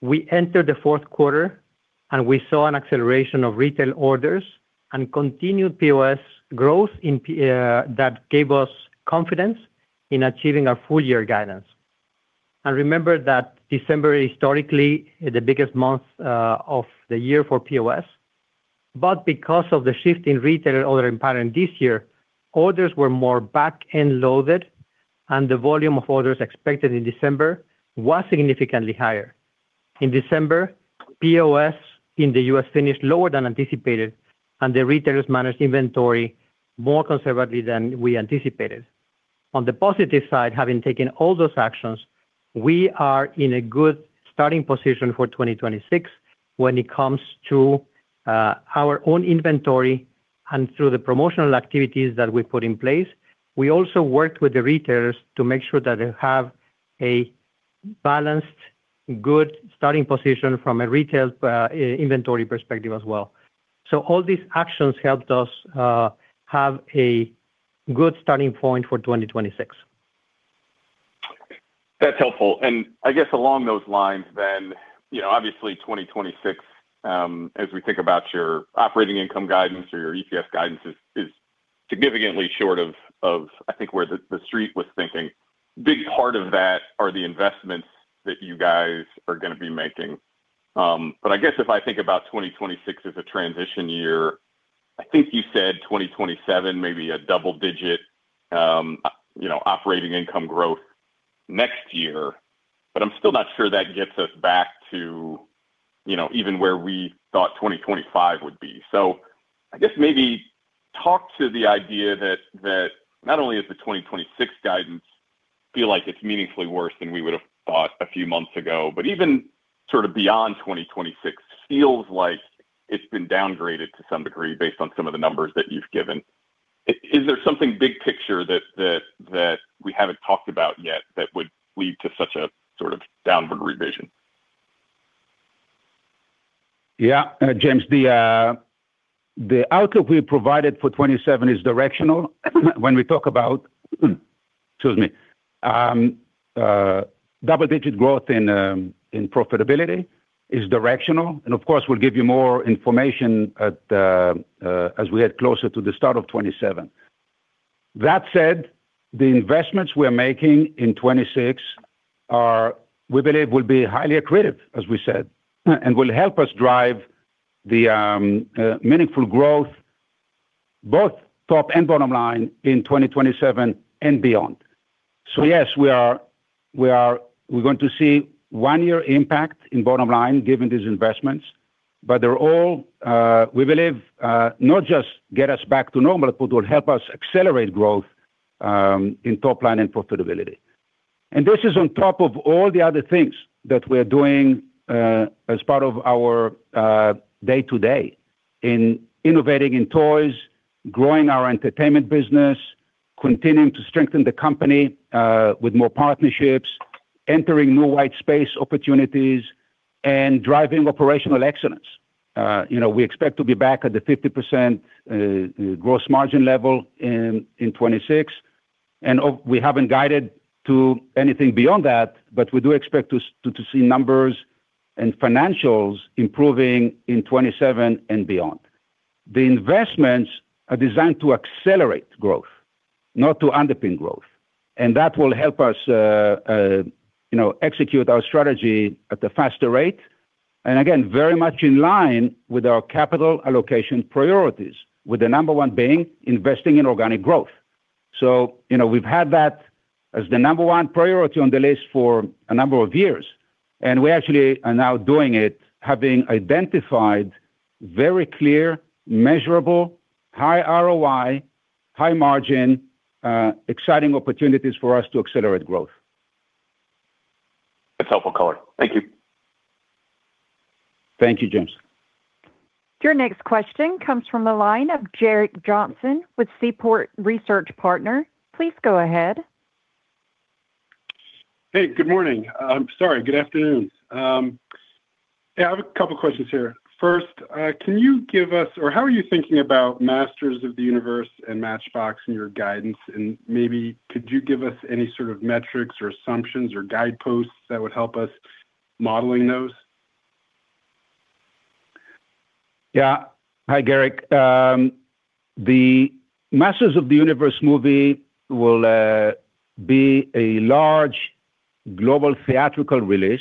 We entered the fourth quarter, and we saw an acceleration of retail orders and continued POS growth, that gave us confidence in achieving our full year guidance. And remember that December is historically the biggest month of the year for POS. But because of the shift in retailer ordering pattern this year, orders were more back-end loaded, and the volume of orders expected in December was significantly higher. In December, POS in the U.S. finished lower than anticipated, and the retailers managed inventory more conservatively than we anticipated. On the positive side, having taken all those actions, we are in a good starting position for 2026 when it comes to our own inventory and through the promotional activities that we put in place. We also worked with the retailers to make sure that they have a balanced, good starting position from a retail inventory perspective as well. So all these actions helped us have a good starting point for 2026. That's helpful. Along those lines, then 2026, as we think about your operating income guidance or your EPS guidance is significantly short of where the street was thinking. Big part of that are the investments that you guys are gonna be making. About 2026 as a transition year, you said 2027, a double-digit operating income growth next year, but I'm still not sure that gets us back to even where we thought 2025 would be. Talk to the idea that not only is the 2026 guidance feel like it's meaningfully worse than we would have thought a few months ago, even beyond 2026 feels like it's been downgraded to some degree based on some of the numbers that you've given. Is there something big picture that we haven't talked about yet that would lead to such a sort of downward revision? Yeah, James, the outcome we provided for 2027 is directional. When we talk about double-digit growth in profitability is directional, and of course, we'll give you more information as we get closer to the start of 2027. That said, the investments we are making in 2026 are we believe will be highly accretive, as we said, and will help us drive the meaningful growth both top and bottom line in 2027 and beyond. So yes, we're going to see one-year impact in bottom line, given these investments, but they're all we believe not just get us back to normal, but will help us accelerate growth in top line and profitability. This is on top of all the other things that we're doing, as part of our day-to-day in innovating in toys, growing our entertainment business, continuing to strengthen the company with more partnerships, entering new white space opportunities, and driving operational excellence. You know, we expect to be back at the 50% gross margin level in 2026, and we haven't guided to anything beyond that, but we do expect to see numbers and financials improving in 2027 and beyond. The investments are designed to accelerate growth, not to underpin growth, and that will help us, you know, execute our strategy at a faster rate. And again, very much in line with our capital allocation priorities, with the number one being investing in organic growth. So, you know, we've had that as the number one priority on the list for a number of years, and we actually are now doing it, having identified very clear, measurable, high ROI, high margin, exciting opportunities for us to accelerate growth. That's helpful color. Thank you. Thank you, James. Your next question comes from the line of Gerrick Johnson with Seaport Research Partners. Please go ahead. Hey, good morning. I'm sorry, good afternoon. Yeah, I have a couple of questions here. First, can you give us, or how are you thinking about Masters of the Universe and Matchbox in your guidance? And maybe could you give us any sort of metrics or assumptions or guideposts that would help us modeling those? Yeah. Hi, Gerrick. The Masters of the Universe movie will be a large global theatrical release.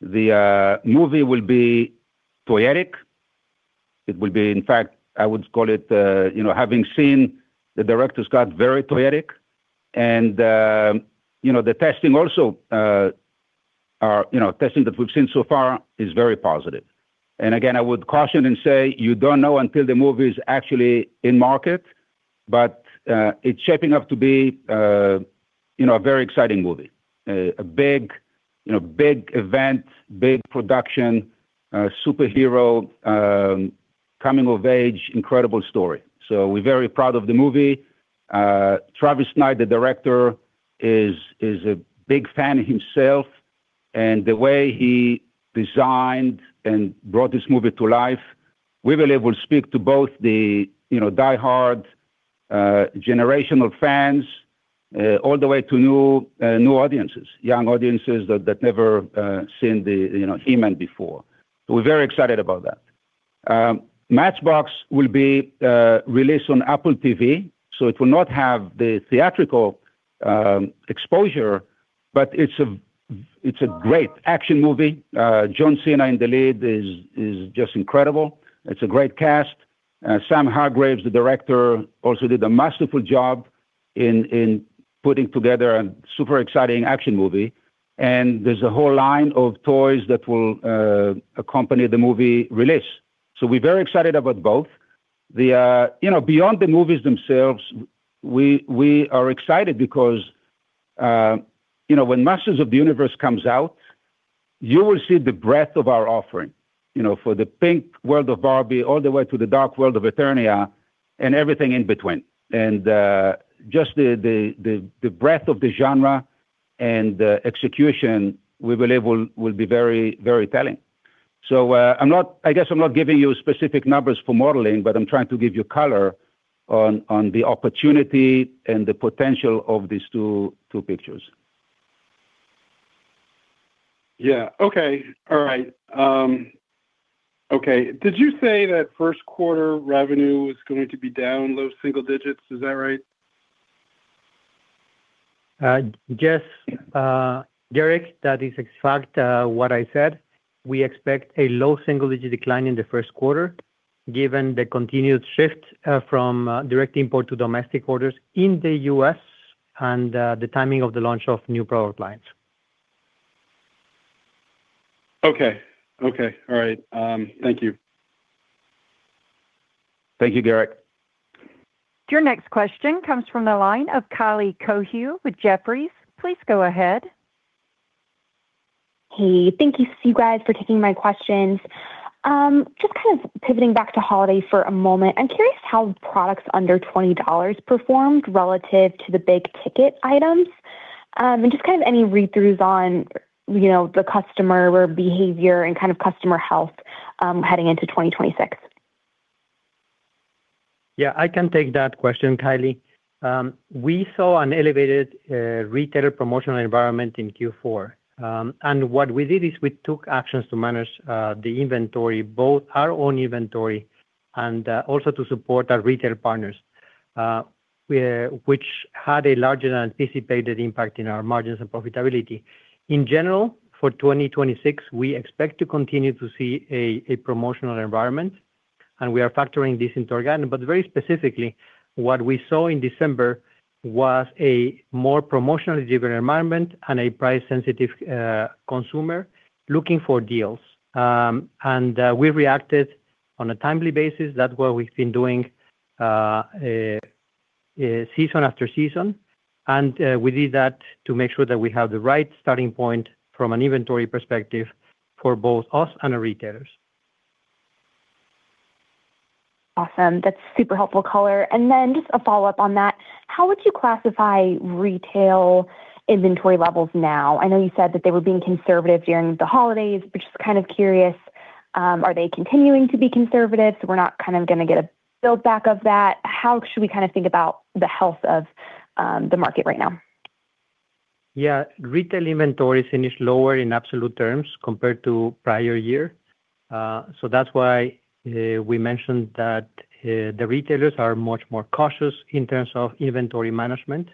The movie will be toyetic. It will be, in fact, I would call it, you know, having seen the director's cut, very toyetic and the testing also, testing that we've seen so far is very positive. And again, I would caution and say you don't know until the movie is actually in market, but it's shaping up to be, you know, a very exciting movie, a big, you know, big event, big production, superhero, coming-of-age, incredible story. So we're very proud of the movie. Travis Knight, the director, is a big fan himself, and the way he designed and brought this movie to life, we believe will speak to both the, you know, die-hard generational fans all the way to new audiences, young audiences that never seen the, you know, He-Man before. So we're very excited about that. Matchbox will be released on Apple TV, so it will not have the theatrical exposure, but it's a great action movie. John Cena in the lead is just incredible. It's a great cast. Sam Hargrave, the director, also did a masterful job in putting together a super exciting action movie, and there's a whole line of toys that will accompany the movie release. So we're very excited about both. You know, beyond the movies themselves, we are excited because, you know, when Masters of the Universe comes out, you will see the breadth of our offering, you know, for the pink world of Barbie all the way to the dark world of Eternia and everything in between. And just the breadth of the genre and the execution, we believe will be very, very telling. I guess I'm not giving you specific numbers for modeling, but I'm trying to give you color on the opportunity and the potential of these two pictures. Yeah. Okay. All right. Okay. Did you say that first quarter revenue was going to be down low single digits? Is that right? Yes, Gerrick, that is exactly what I said. We expect a low single-digit decline in the first quarter, given the continued shift from direct import to domestic orders in the U.S. and the timing of the launch of new product lines. Okay. All right, thank you. Thank you, Gerrick. Your next question comes from the line of Kylie Cohu with Jefferies. Please go ahead. Hey, thank you, you guys, for taking my questions. Just kind of pivoting back to holiday for a moment. I'm curious how products under $20 performed relative to the big ticket items. And just kind of any read-throughs on, you know, the customer or behavior and kind of customer health, heading into 2026. Yeah, I can take that question, Kylie. We saw an elevated retailer promotional environment in Q4. And what we did is we took actions to manage the inventory, both our own inventory and also to support our retail partners, which had a larger than anticipated impact in our margins and profitability. In general, for 2026, we expect to continue to see a promotional environment, and we are factoring this into our guidance. But very specifically, what we saw in December was a more promotionally driven environment and a price-sensitive consumer looking for deals. And we reacted on a timely basis. That's what we've been doing season after season, and we did that to make sure that we have the right starting point from an inventory perspective for both us and our retailers. Awesome. That's super helpful color. And then just a follow-up on that, how would you classify retail inventory levels now? I know you said that they were being conservative during the holidays, but just kind of curious, are they continuing to be conservative, so we're not kind of gonna get a buildback of that? How should we kind of think about the health of, the market right now? Yeah, retail inventory finished lower in absolute terms compared to prior year. So that's why we mentioned that the retailers are much more cautious in terms of inventory management.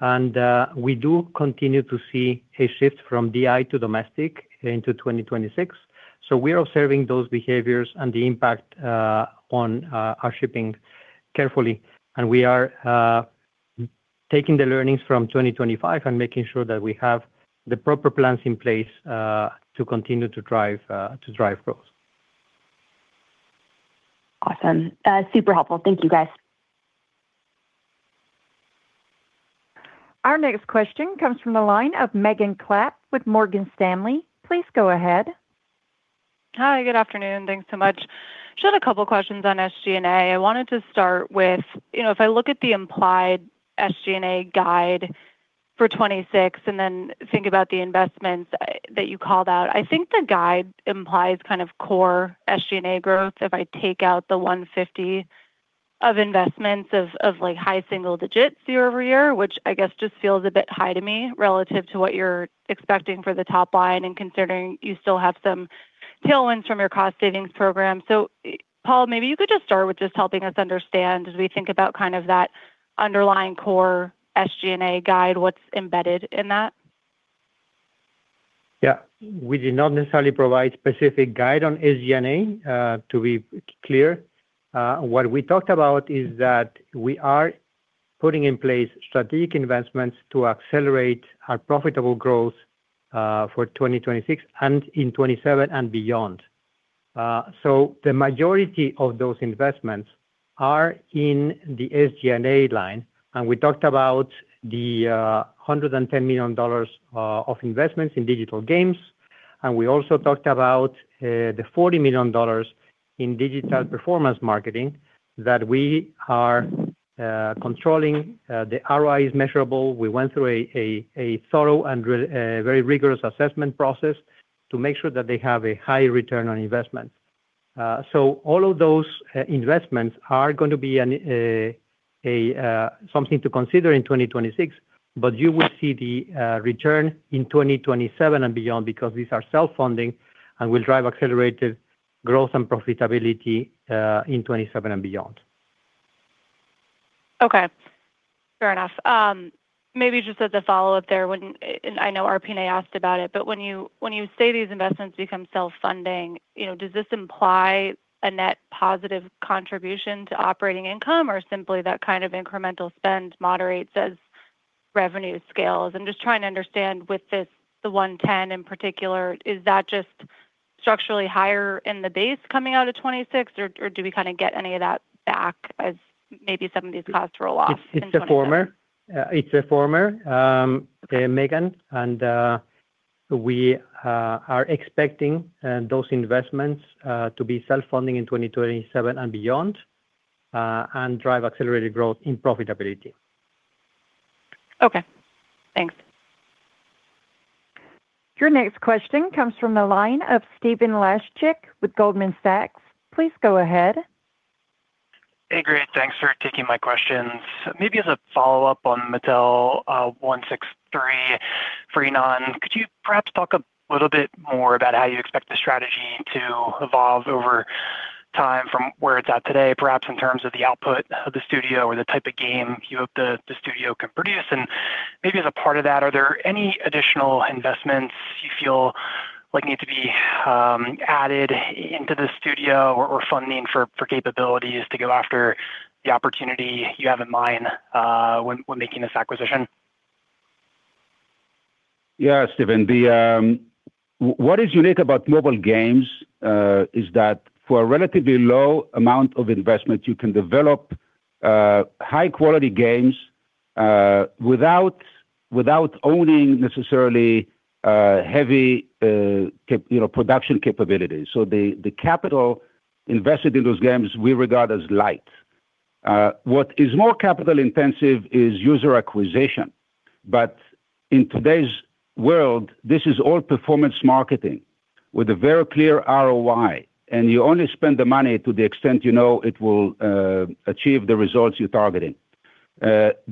And we do continue to see a shift from DI to domestic into 2026. So we are observing those behaviors and the impact on our shipping carefully, and we are taking the learnings from 2025 and making sure that we have the proper plans in place to continue to drive to drive growth. Awesome. Super helpful. Thank you, guys. Our next question comes from the line of Megan Clapp with Morgan Stanley. Please go ahead. Hi, good afternoon. Thanks so much. Just had a couple of questions on SG&A. I wanted to start with, you know, if I look at the implied SG&A guide for 2026 and then think about the investments that you called out, I think the guide implies kind of core SG&A growth. If I take out the $150 of investments of, like, high single digits year-over-year, which I guess just feels a bit high to me relative to what you're expecting for the top line and considering you still have some tailwinds from your cost savings program. So, Paul, maybe you could just start with just helping us understand as we think about kind of that underlying core SG&A guide, what's embedded in that? Yeah. We did not necessarily provide specific guidance on SG&A, to be clear. What we talked about is that we are putting in place strategic investments to accelerate our profitable growth, for 2026 and in 2027 and beyond. So the majority of those investments are in the SG&A line, and we talked about the $110 million of investments in digital games, and we also talked about the $40 million in digital performance marketing that we are controlling. The ROI is measurable. We went through a thorough and very rigorous assessment process to make sure that they have a high return on investment. All of those investments are going to be a something to consider in 2026, but you will see the return in 2027 and beyond because these are self-funding and will drive accelerated growth and profitability in 2027 and beyond. Okay, fair enough. Maybe just as a follow-up there, I know Arpine asked about it, but when you, when you say these investments become self-funding, you know, does this imply a net positive contribution to operating income or simply that kind of incremental spend moderates as revenue scales? I'm just trying to understand with this, the 110 in particular, is that just structurally higher in the base coming out of 2026, or, or do we kind of get any of that back as maybe some of these costs roll off in 2027? It's the former. It's the former, Megan, and we are expecting those investments to be self-funding in 2027 and beyond, and drive accelerated growth in profitability. Okay, thanks. Your next question comes from the line of Stephen Laszczyk with Goldman Sachs. Please go ahead. Hey, great. Thanks for taking my questions. Maybe as a follow-up on Mattel163, Ynon, could you perhaps talk a little bit more about how you expect the strategy to evolve over time from where it's at today, perhaps in terms of the output of the studio or the type of game you hope the studio can produce? And maybe as a part of that, are there any additional investments you feel like need to be added into the studio or funding for capabilities to go after the opportunity you have in mind when making this acquisition? Stephen, what is unique about mobile games is that for a relatively low amount of investment, you can develop high-quality games without owning necessarily heavy capital you know production capabilities. So the capital invested in those games, we regard as light. What is more capital-intensive is user acquisition. But in today's world, this is all performance marketing with a very clear ROI, and you only spend the money to the extent you know it will achieve the results you're targeting.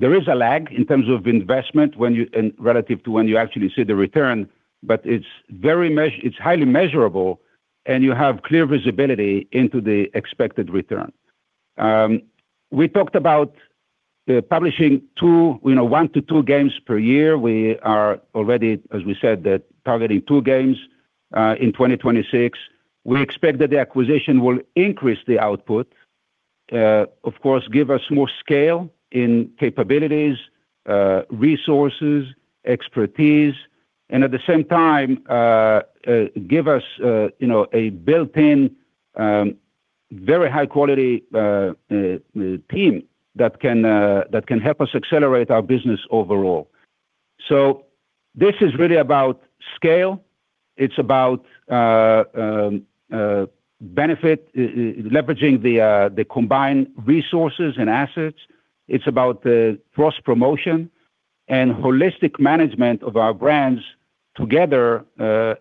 There is a lag in terms of investment when you and relative to when you actually see the return, but it's highly measurable, and you have clear visibility into the expected return. We talked about publishing 2, you know, 1-2 games per year. We are already, as we said, targeting two games in 2026. We expect that the acquisition will increase the output, of course, give us more scale in capabilities, resources, expertise, and at the same time, give us, you know, a built-in, very high quality team that can help us accelerate our business overall. So this is really about scale. It's about benefit, leveraging the combined resources and assets. It's about the cross-promotion and holistic management of our brands together,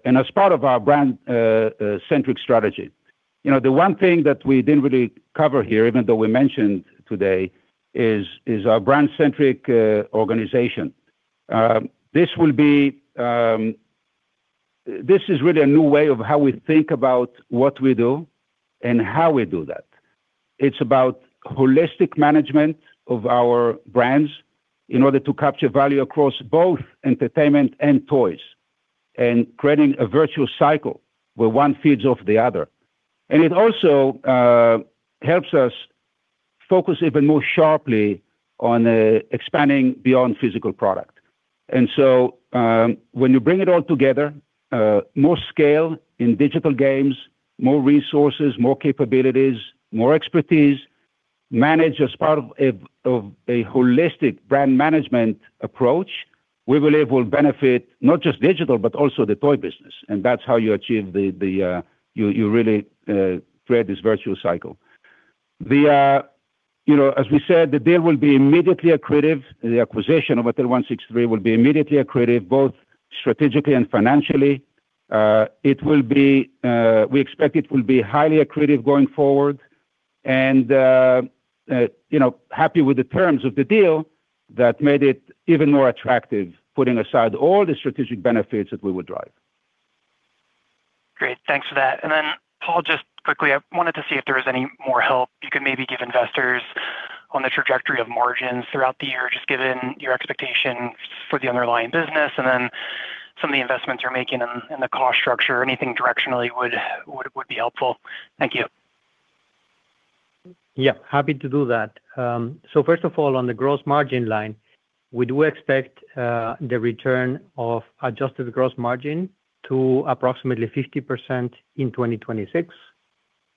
and as part of our brand-centric strategy. You know, the one thing that we didn't really cover here, even though we mentioned today, is our brand-centric organization. This will be, this is really a new way of how we think about what we do and how we do that. It's about holistic management of our brands in order to capture value across both entertainment and toys, and creating a virtual cycle where one feeds off the other. And it also helps us focus even more sharply on expanding beyond physical product. And so, when you bring it all together, more scale in digital games, more resources, more capabilities, more expertise, managed as part of a holistic brand management approach, we believe will benefit not just digital, but also the toy business. And that's how you achieve. You really create this virtual cycle. You know, as we said, the deal will be immediately accretive. The acquisition of Mattel163 will be immediately accretive, both strategically and financially. It will be, we expect it will be highly accretive going forward, and, you know, happy with the terms of the deal that made it even more attractive, putting aside all the strategic benefits that we would drive. Great. Thanks for that. And then, Paul, just quickly, I wanted to see if there was any more help you could maybe give investors on the trajectory of margins throughout the year, just given your expectation for the underlying business and then some of the investments you're making in the cost structure, anything directionally would be helpful. Thank you. Yeah, happy to do that. So first of all, on the gross margin line, we do expect the return of Adjusted Gross Margin to approximately 50% in 2026,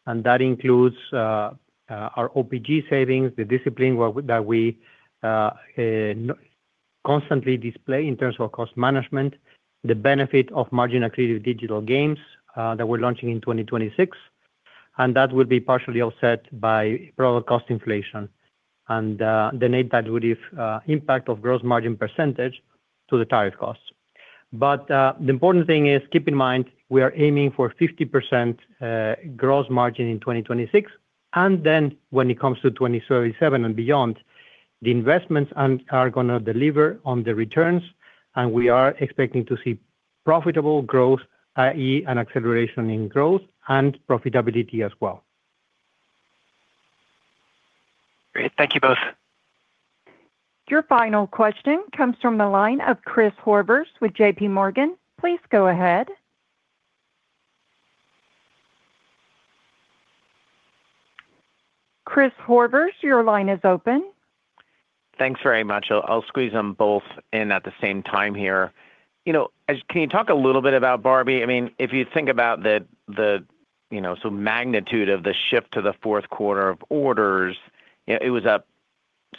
and that includes our OPG savings, the discipline that we constantly display in terms of cost management, the benefit of margin accretive digital games that we're launching in 2026, and that will be partially offset by product cost inflation and the net positive impact of gross margin percentage to the target cost. But the important thing is, keep in mind, we are aiming for 50% gross margin in 2026, and then when it comes to 2037 and beyond, the investments and are gonna deliver on the returns, and we are expecting to see profitable growth, i.e., an acceleration in growth and profitability as well. Great. Thank you both. Your final question comes from the line of Chris Horvers with JPMorgan. Please go ahead. Chris Horvers, your line is open. Thanks very much. I'll squeeze them both in at the same time here. You know, can you talk a little bit about Barbie? I mean, if you think about the, you know, so magnitude of the shift to the fourth quarter of orders, you know, it was up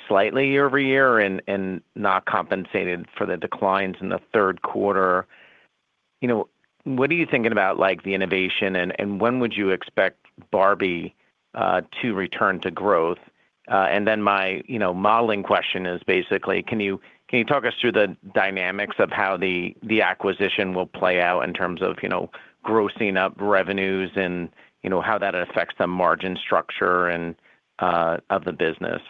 slightly year-over-year and not compensated for the declines in the third quarter. You know, what are you thinking about, like, the innovation and when would you expect Barbie to return to growth? And then my, you know, modeling question is basically, can you talk us through the dynamics of how the acquisition will play out in terms of, you know, grossing up revenues and, you know, how that affects the margin structure and of the business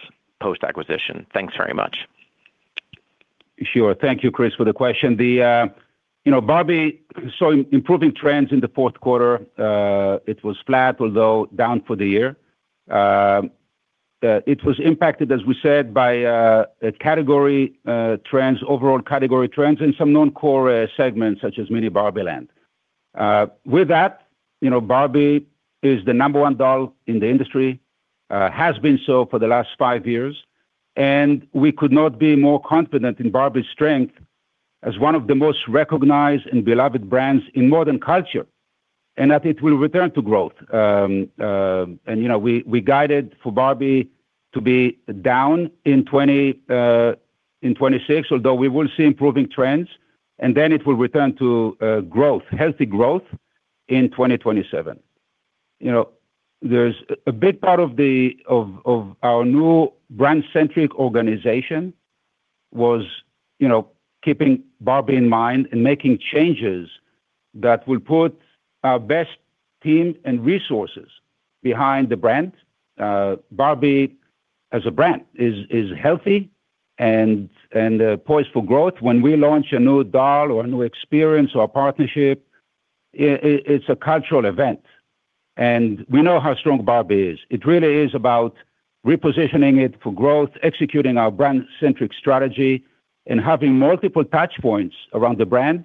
post-acquisition? Thanks very much. Sure. Thank you, Chris, for the question. The you know, Barbie saw improving trends in the fourth quarter. It was flat, although down for the year. It was impacted, as we said, by a category trends, overall category trends in some non-core segments such as Mini BarbieLand. With that, you know, Barbie is the number one doll in the industry, has been so for the last five years, and we could not be more confident in Barbie's strength as one of the most recognized and beloved brands in modern culture, and that it will return to growth. And you know, we guided for Barbie to be down in 2026, although we will see improving trends, and then it will return to growth, healthy growth in 2027. You know, there's a big part of our new brand-centric organization was, you know, keeping Barbie in mind and making changes that will put our best team and resources behind the brand. Barbie as a brand is poised for growth. When we launch a new doll or a new experience or a partnership, it's a cultural event, and we know how strong Barbie is. It really is about repositioning it for growth, executing our brand-centric strategy, and having multiple touchpoints around the brand.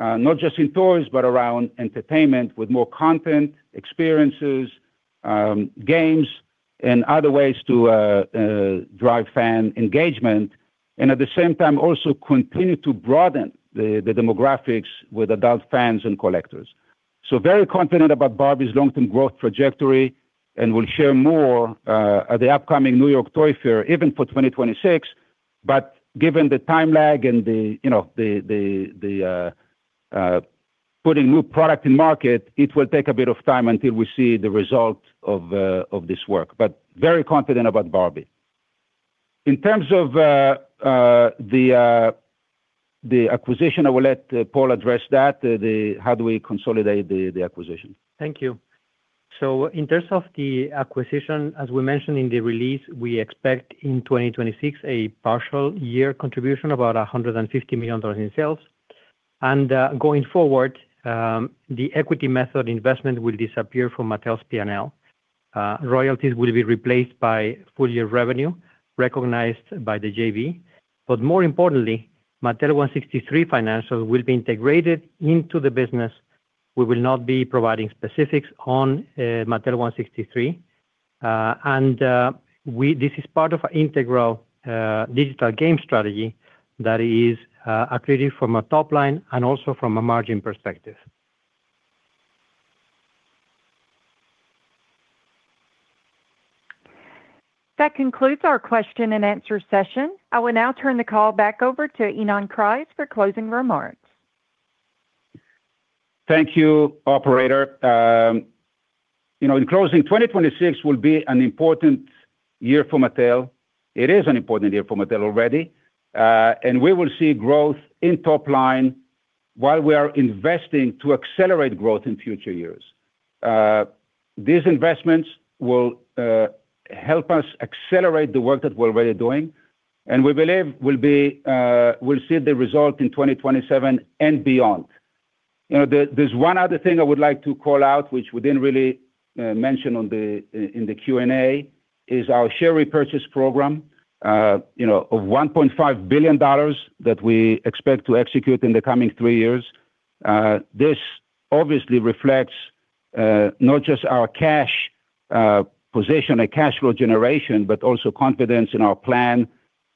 Not just in toys, but around entertainment, with more content, experiences, games, and other ways to drive fan engagement, and at the same time, also continue to broaden the demographics with adult fans and collectors. So very confident about Barbie's long-term growth trajectory, and we'll share more at the upcoming New York Toy Fair, even for 2026. But given the time lag and the, you know, putting new product in market, it will take a bit of time until we see the result of this work. But very confident about Barbie. In terms of the acquisition, I will let Paul address that, the how do we consolidate the acquisition? Thank you. So in terms of the acquisition, as we mentioned in the release, we expect in 2026 a partial year contribution, about $150 million in sales. And, going forward, the equity method investment will disappear from Mattel's P&L. Royalties will be replaced by full year revenue recognized by the JV. But more importantly, Mattel163 financials will be integrated into the business. We will not be providing specifics on Mattel163. And, this is part of our integral digital game strategy that is accretive from a top line and also from a margin perspective. That concludes our question and answer session. I will now turn the call back over to Ynon Kreiz for closing remarks. Thank you, operator. You know, in closing, 2026 will be an important year for Mattel. It is an important year for Mattel already. And we will see growth in top line while we are investing to accelerate growth in future years. These investments will help us accelerate the work that we're already doing, and we believe will be will see the result in 2027 and beyond. You know, there, there's one other thing I would like to call out, which we didn't really mention on the, in the Q&A, is our share repurchase program, you know, of $1.5 billion that we expect to execute in the coming three years. This obviously reflects, not just our cash position and cash flow generation, but also confidence in our plan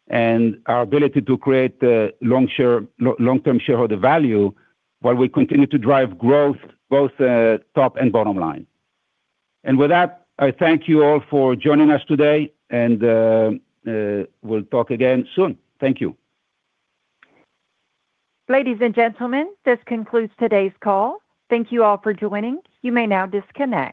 and our ability to create long-term shareholder value while we continue to drive growth, both top and bottom line. With that, I thank you all for joining us today, and we'll talk again soon. Thank you. Ladies and gentlemen, this concludes today's call. Thank you all for joining. You may now disconnect.